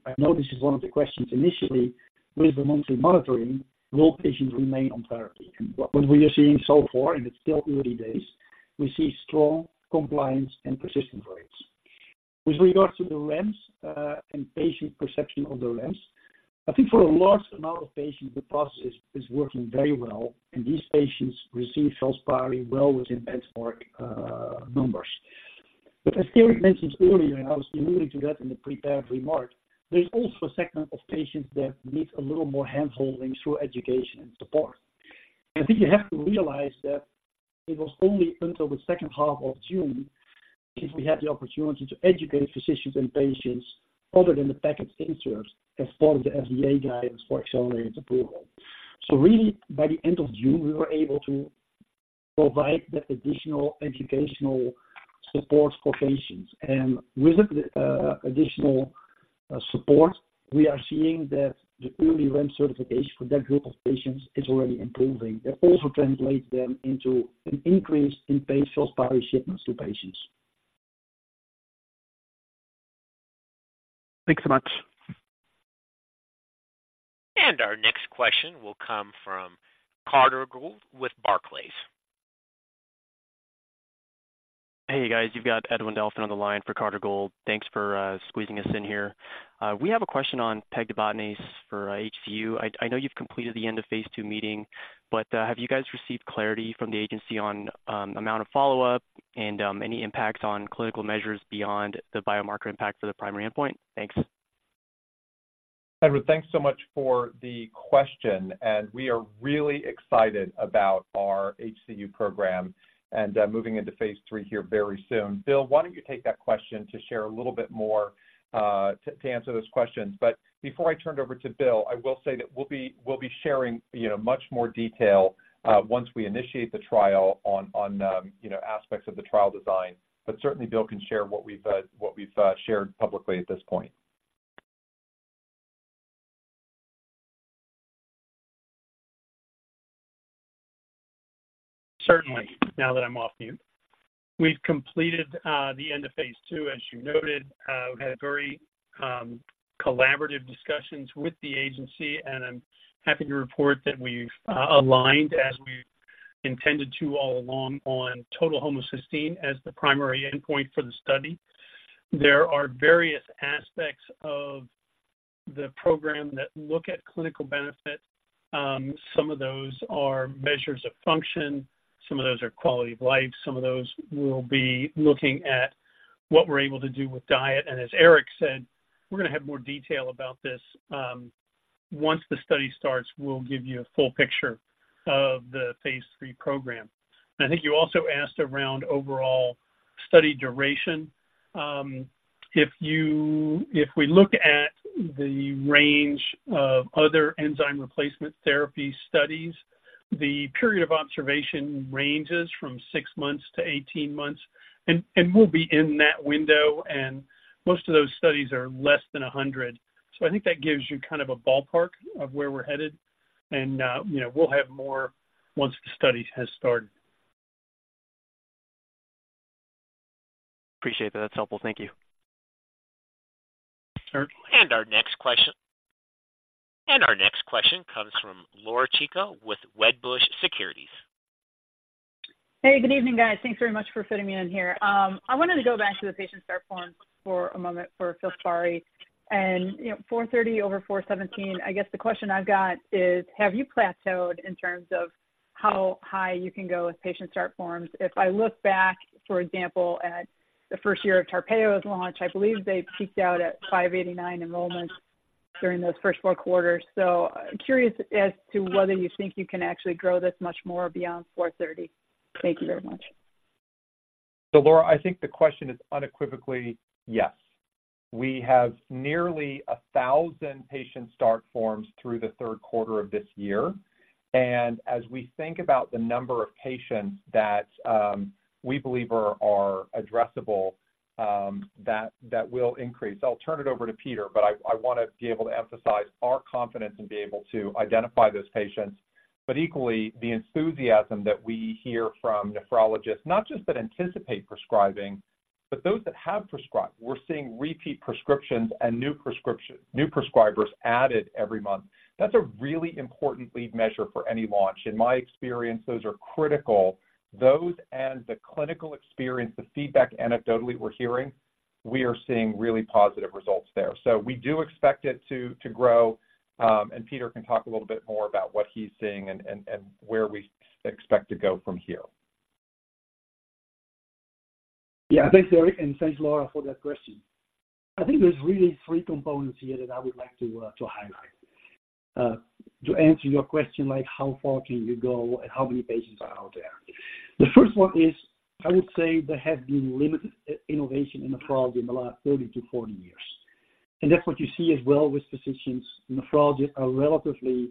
I know this is one of the questions initially with the monthly monitoring, will patients remain on therapy? And what we are seeing so far, and it's still early days, we see strong compliance and persistence rates. With regards to the REMS, and patient perception of the REMS, I think for a large amount of patients, the process is working very well, and these patients receive FILSPARI well within benchmark numbers. But as Eric mentioned earlier, and I was alluding to that in the prepared remark, there's also a segment of patients that need a little more handholding through education and support. I think you have to realize that it was only until the second half of June if we had the opportunity to educate physicians and patients other than the package inserts, as part of the FDA guidance for accelerated approval. So really, by the end of June, we were able to provide that additional educational support for patients. And with the additional support, we are seeing that the early REMS certification for that group of patients is already improving. That also translates then into an increase in paid FILSPARI shipments to patients. Thanks so much. Our next question will come from Carter Gould with Barclays. Hey, guys, you've got Edwin Delfin on the line for Carter Gould. Thanks for squeezing us in here. We have a question on pegtibatinase for HCU. I know you've completed the end of phase II meeting, but have you guys received clarity from the agency on amount of follow-up and any impact on clinical measures beyond the biomarker impact for the primary endpoint? Thanks. Edward, thanks so much for the question, and we are really excited about our HCU program and moving into phase III here very soon. Bill, why don't you take that question to share a little bit more to answer those questions? But before I turn it over to Bill, I will say that we'll be sharing, you know, much more detail once we initiate the trial on you know aspects of the trial design. But certainly, Bill can share what we've shared publicly at this point. Certainly, now that I'm off mute. We've completed the end of phase II, as you noted. We had very collaborative discussions with the agency, and I'm happy to report that we've aligned, as we intended to all along, on total homocysteine as the primary endpoint for the study. There are various aspects of the program that look at clinical benefit. Some of those are measures of function, some of those are quality of life, some of those will be looking at what we're able to do with diet. And as Eric said, we're going to have more detail about this. Once the study starts, we'll give you a full picture of the phase III program. I think you also asked around overall study duration. If we look at the range of other enzyme replacement therapy studies, the period of observation ranges from six months to 18 months, and we'll be in that window, and most of those studies are less than 100. So I think that gives you kind of a ballpark of where we're headed, and you know, we'll have more once the study has started. Appreciate that. That's helpful. Thank you. Sure. Our next question comes from Laura Chico with Wedbush Securities. Hey, good evening, guys. Thanks very much for fitting me in here. I wanted to go back to the patient start form for a moment for FILSPARI. You know, 430 over 417, I guess the question I've got is, have you plateaued in terms of how high you can go with patient start forms? If I look back, for example, at the first year of Tarpeyo's launch, I believe they peaked out at 589 enrollments during those first four quarters. So I'm curious as to whether you think you can actually grow this much more beyond 430. Thank you very much. So, Laura, I think the question is unequivocally yes. We have nearly 1,000 patient start forms through the third quarter of this year, and as we think about the number of patients that we believe are addressable, that will increase. I'll turn it over to Peter, but I want to be able to emphasize our confidence and be able to identify those patients, but equally the enthusiasm that we hear from nephrologists, not just that anticipate prescribing, but those that have prescribed. We're seeing repeat prescriptions and new prescriptions, new prescribers added every month. That's a really important lead measure for any launch. In my experience, those are critical. Those and the clinical experience, the feedback anecdotally we're hearing, we are seeing really positive results there. So we do expect it to grow, and Peter can talk a little bit more about what he's seeing and where we expect to go from here. Yeah, thanks, Eric, and thanks, Laura, for that question. I think there's really three components here that I would like to, to highlight. To answer your question, like, how far can you go and how many patients are out there? The first one is I would say there has been limited, innovation in nephrology in the last 30-40 years, and that's what you see as well with physicians. Nephrologists are relatively,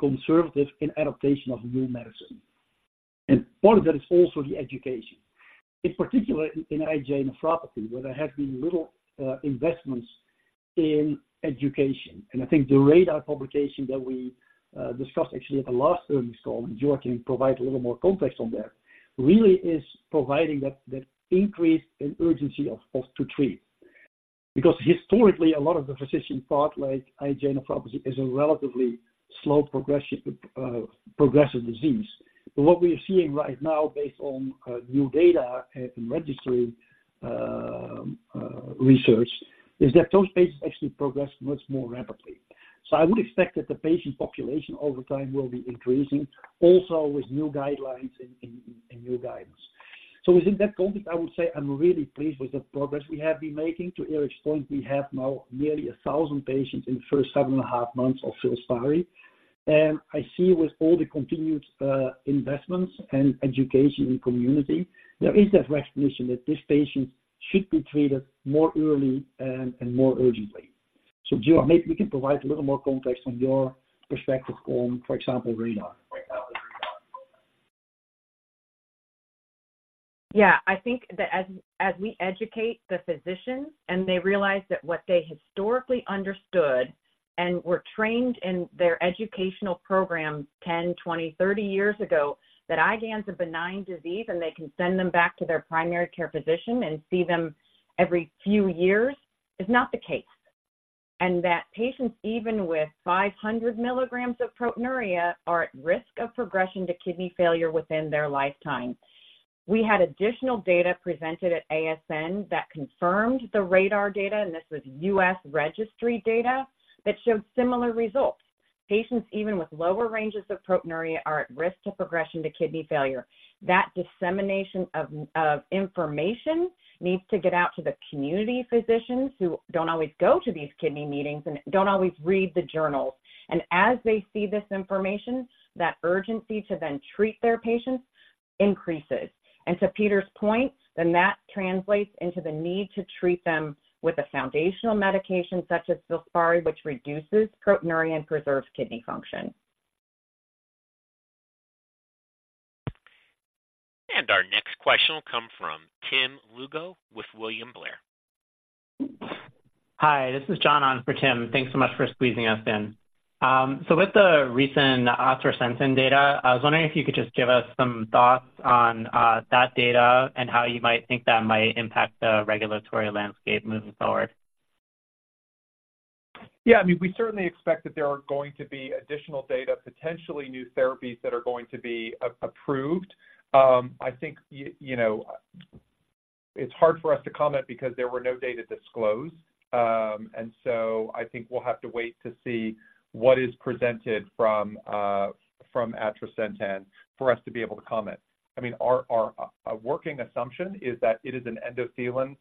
conservative in adaptation of new medicine, and part of that is also the education. In particular, in IgA nephropathy, where there have been little, investments in education. And I think the RaDaR publication that we, discussed actually at the last earnings call, and Jula can provide a little more context on that, really is providing that, that increase in urgency of, of to treat. Because historically, a lot of the physicians thought like IgA Nephropathy is a relatively slow progression, progressive disease. But what we are seeing right now, based on new data and registry research, is that those patients actually progress much more rapidly. So I would expect that the patient population over time will be increasing also with new guidelines and new guidance. So within that context, I would say I'm really pleased with the progress we have been making. To Eric's point, we have now nearly 1,000 patients in the first 7.5 months of FILSPARI. And I see with all the continued investments and education in the community, there is that recognition that these patients should be treated more early and more urgently. Gio, maybe we can provide a little more context on your perspective on, for example, RaDaR. Yeah. I think that as we educate the physicians and they realize that what they historically understood and were trained in their educational programs 10, 20, 30 years ago, that IgA is a benign disease and they can send them back to their primary care physician and see them every few years, is not the case. That patients, even with 500 milligrams of proteinuria, are at risk of progression to kidney failure within their lifetime. We had additional data presented at ASN that confirmed the RaDaR data, and this was U.S. registry data that showed similar results. Patients, even with lower ranges of proteinuria, are at risk of progression to kidney failure. That dissemination of information needs to get out to the community physicians who don't always go to these kidney meetings and don't always read the journals. As they see this information, that urgency to then treat their patients increases. To Peter's point, then that translates into the need to treat them with a foundational medication such as FILSPARI, which reduces proteinuria and preserves kidney function. Our next question will come from Tim Lugo with William Blair. Hi, this is John on for Tim. Thanks so much for squeezing us in. So with the recent atrasentan data, I was wondering if you could just give us some thoughts on that data and how you might think that might impact the regulatory landscape moving forward? Yeah, I mean, we certainly expect that there are going to be additional data, potentially new therapies that are going to be approved. I think, you know, it's hard for us to comment because there were no data disclosed. And so I think we'll have to wait to see what is presented from Atrasentan for us to be able to comment. I mean, our working assumption is that it is an endothelin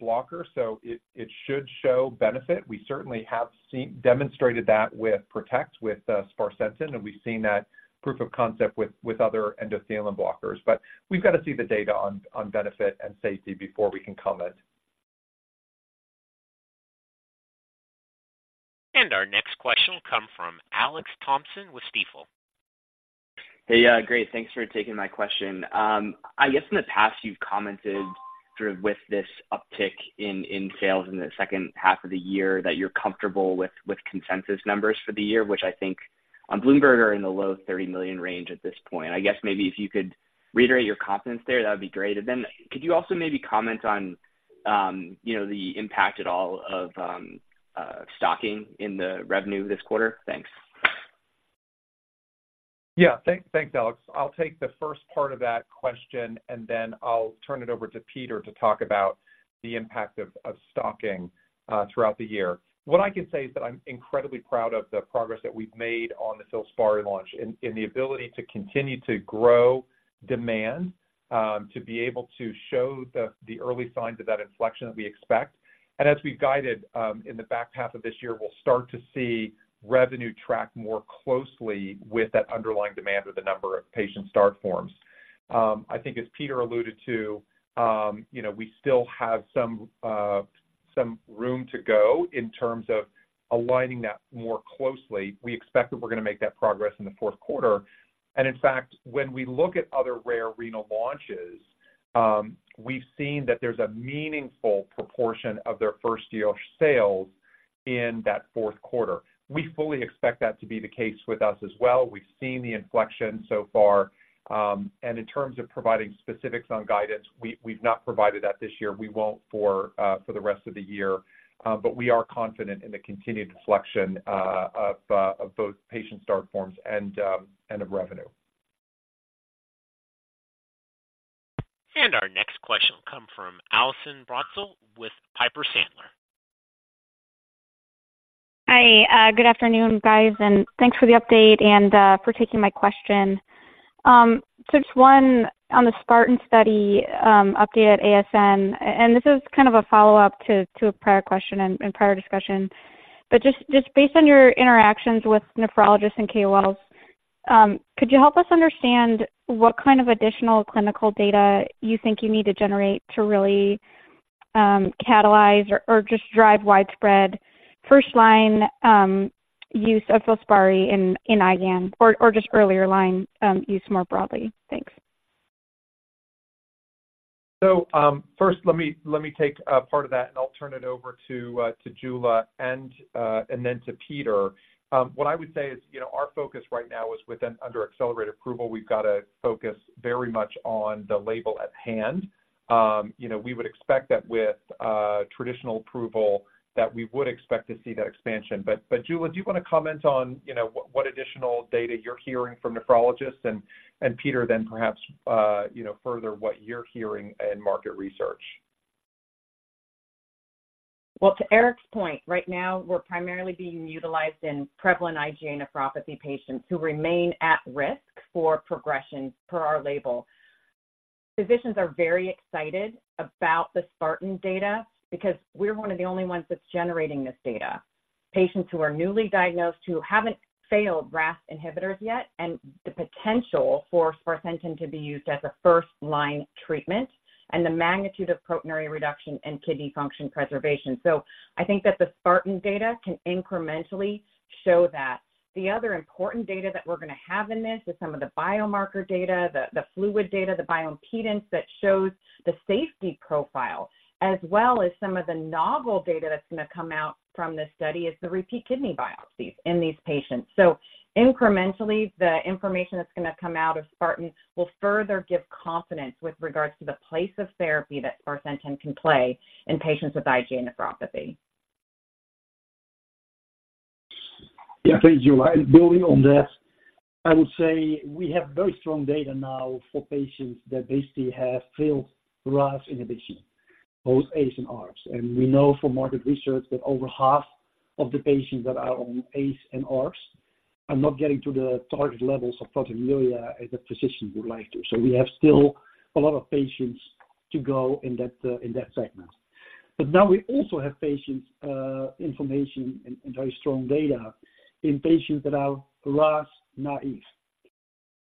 blocker, so it should show benefit. We certainly have seen demonstrated that with PROTECT, with sparsentan, and we've seen that proof of concept with other endothelin blockers. But we've got to see the data on benefit and safety before we can comment. Our next question will come from Alex Thompson with Stifel. Hey, great, thanks for taking my question. I guess in the past you've commented sort of with this uptick in, in sales in the second half of the year, that you're comfortable with, with consensus numbers for the year, which I think on Bloomberg are in the low $30 million range at this point. I guess maybe if you could reiterate your confidence there, that would be great. And then could you also maybe comment on, you know, the impact at all of, stocking in the revenue this quarter? Thanks. Yeah, thanks, Alex. I'll take the first part of that question, and then I'll turn it over to Peter to talk about the impact of stocking throughout the year. What I can say is that I'm incredibly proud of the progress that we've made on the FILSPARI launch and the ability to continue to grow demand to be able to show the early signs of that inflection that we expect. And as we've guided, in the back half of this year, we'll start to see revenue track more closely with that underlying demand or the number of patient start forms. I think as Peter alluded to, you know, we still have some room to go in terms of aligning that more closely. We expect that we're going to make that progress in the fourth quarter. In fact, when we look at other rare renal launches, we've seen that there's a meaningful proportion of their first-year sales in that fourth quarter. We fully expect that to be the case with us as well. We've seen the inflection so far, and in terms of providing specifics on guidance, we've not provided that this year. We won't for the rest of the year. But we are confident in the continued deflection of both patient start forms and of revenue. Our next question will come from Allison Bratzel with Piper Sandler. Good afternoon, guys, and thanks for the update and for taking my question. So just one on the SPARTAN Study update at ASN, and this is kind of a follow-up to a prior question and prior discussion. But just based on your interactions with nephrologists and KOLs, could you help us understand what kind of additional clinical data you think you need to generate to really catalyze or just drive widespread first-line use of FILSPARI in IgAN or just earlier line use more broadly? Thanks. So, first, let me take part of that, and I'll turn it over to Jula and then to Peter. What I would say is, you know, our focus right now is within under accelerated approval. We've got to focus very much on the label at hand. You know, we would expect that with traditional approval, that we would expect to see that expansion. But, Jula, do you want to comment on, you know, what additional data you're hearing from nephrologists, and Peter, then perhaps, you know, further, what you're hearing in market research? Well, to Eric's point, right now, we're primarily being utilized in prevalent IgA Nephropathy patients who remain at risk for progression per our label. Physicians are very excited about the SPARTAN data because we're one of the only ones that's generating this data. Patients who are newly diagnosed, who haven't failed RAS inhibitors yet, and the potential for sparsentan to be used as a first-line treatment and the magnitude of proteinuria reduction and kidney function preservation. So I think that the SPARTAN data can incrementally show that. The other important data that we're going to have in this is some of the biomarker data, the fluid data, the bioimpedance that shows the safety profile, as well as some of the novel data that's going to come out from this study is the repeat kidney biopsies in these patients. Incrementally, the information that's going to come out of SPARTAN will further give confidence with regards to the place of therapy that sparsentan can play in patients with IgA nephropathy. Yeah, thank you. Building on that, I would say we have very strong data now for patients that basically have failed RAS inhibition, both ACE and ARBs. And we know from market research that over half of the patients that are on ACE and ARBs are not getting to the target levels of proteinuria as a physician would like to. So we have still a lot of patients to go in that segment. But now we also have patients information and very strong data in patients that are RAS naive.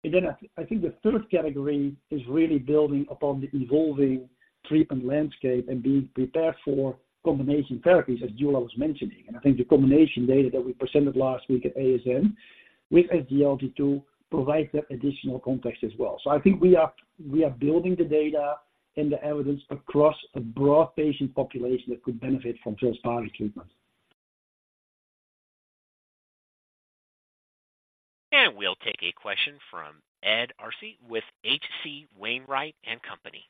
And then I think the third category is really building upon the evolving treatment landscape and being prepared for combination therapies, as Jula was mentioning. And I think the combination data that we presented last week at ASN with SGLT2 provides that additional context as well. So I think we are building the data and the evidence across a broad patient population that could benefit from FILSPARI treatment. We'll take a question from Ed Arce with H.C. Wainwright & Company.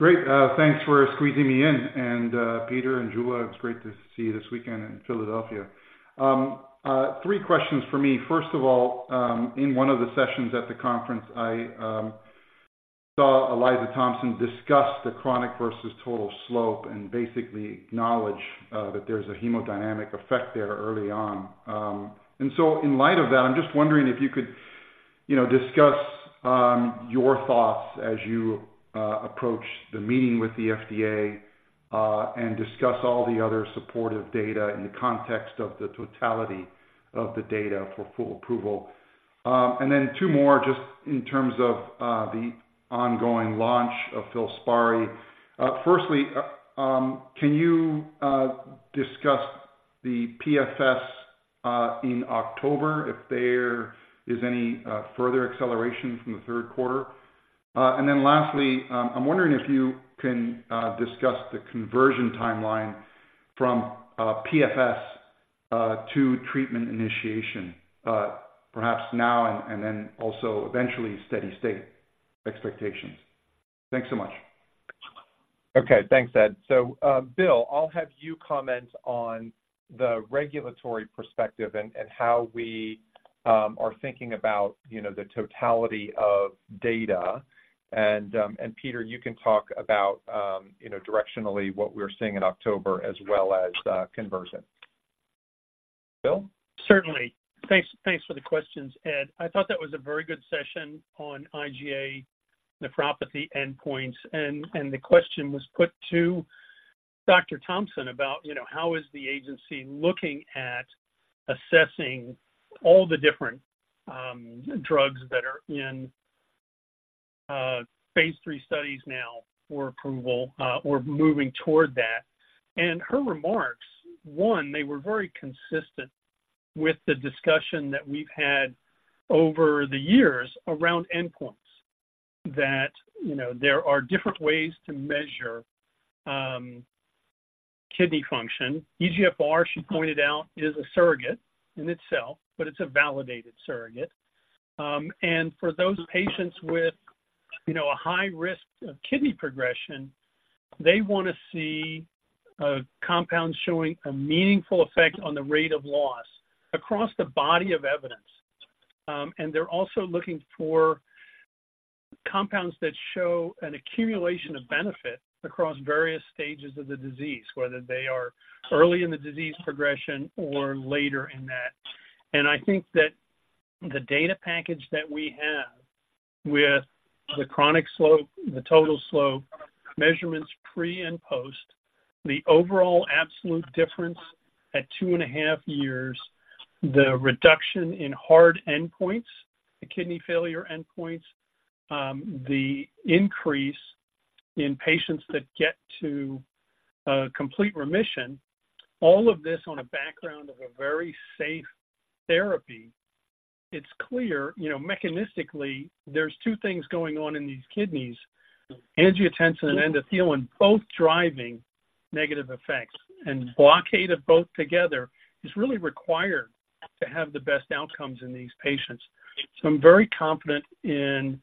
Great. Thanks for squeezing me in. And, Peter and Jula, it was great to see you this weekend in Philadelphia. Three questions for me. First of all, in one of the sessions at the conference, I saw Eliza Thompson discuss the chronic versus total slope and basically acknowledge that there's a hemodynamic effect there early on. And so in light of that, I'm just wondering if you could, you know, discuss your thoughts as you approach the meeting with the FDA and discuss all the other supportive data in the context of the totality of the data for full approval. And then two more, just in terms of the ongoing launch of FILSPARI. Firstly, can you discuss the PFS in October, if there is any further acceleration from the third quarter? And then lastly, I'm wondering if you can discuss the conversion timeline from PFS to treatment initiation, perhaps now and then also eventually steady-state expectations? Thanks so much. Okay, thanks, Ed. So, Bill, I'll have you comment on the regulatory perspective and how we are thinking about, you know, the totality of data. And Peter, you can talk about, you know, directionally, what we're seeing in October as well as conversion. Bill? Certainly. Thanks, thanks for the questions, Ed. I thought that was a very good session on IgA nephropathy endpoints, and the question was put to Dr. Thompson about, you know, how is the agency looking at assessing all the different drugs that are in phase III studies now for approval or moving toward that? And her remarks, one, they were very consistent with the discussion that we've had over the years around endpoints. That, you know, there are different ways to measure kidney function. eGFR, she pointed out, is a surrogate in itself, but it's a validated surrogate. And for those patients with, you know, a high risk of kidney progression, they want to see a compound showing a meaningful effect on the rate of loss across the body of evidence. And they're also looking for compounds that show an accumulation of benefit across various stages of the disease, whether they are early in the disease progression or later in that. I think that the data package that we have with the chronic slope, the total slope, measurements pre and post, the overall absolute difference at 2.5 years, the reduction in hard endpoints, the kidney failure endpoints, the increase in patients that get to complete remission, all of this on a background of a very safe therapy. It's clear, you know, mechanistically, there's two things going on in these kidneys, angiotensin and endothelin, both driving negative effects, and blockade of both together is really required to have the best outcomes in these patients. I'm very confident in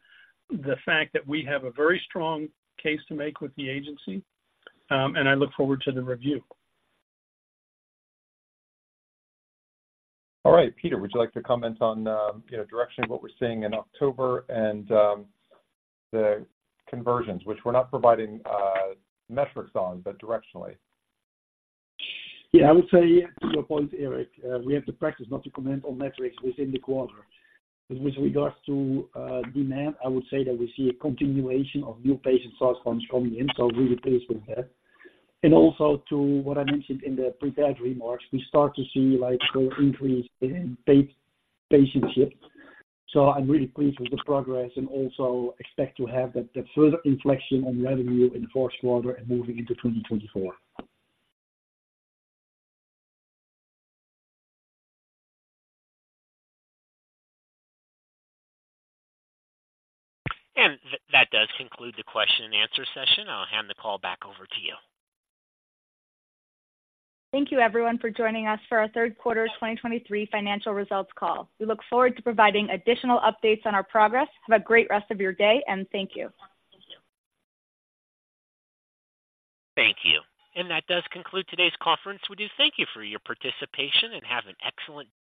the fact that we have a very strong case to make with the agency, and I look forward to the review. All right, Peter, would you like to comment on, you know, direction of what we're seeing in October and the conversions, which we're not providing metrics on, but directionally? Yeah, I would say to your point, Eric, we have the practice not to comment on metrics within the quarter. But with regards to demand, I would say that we see a continuation of new patient source funds coming in, so I'm really pleased with that. And also to what I mentioned in the prepared remarks, we start to see, like, the increase in patient shifts. So I'm really pleased with the progress and also expect to have that, the further inflection on revenue in the fourth quarter and moving into 2024. And that does conclude the question and answer session. I'll hand the call back over to you. Thank you, everyone, for joining us for our third quarter's 2023 financial results call. We look forward to providing additional updates on our progress. Have a great rest of your day, and thank you. Thank you. That does conclude today's conference. We do thank you for your participation, and have an excellent day.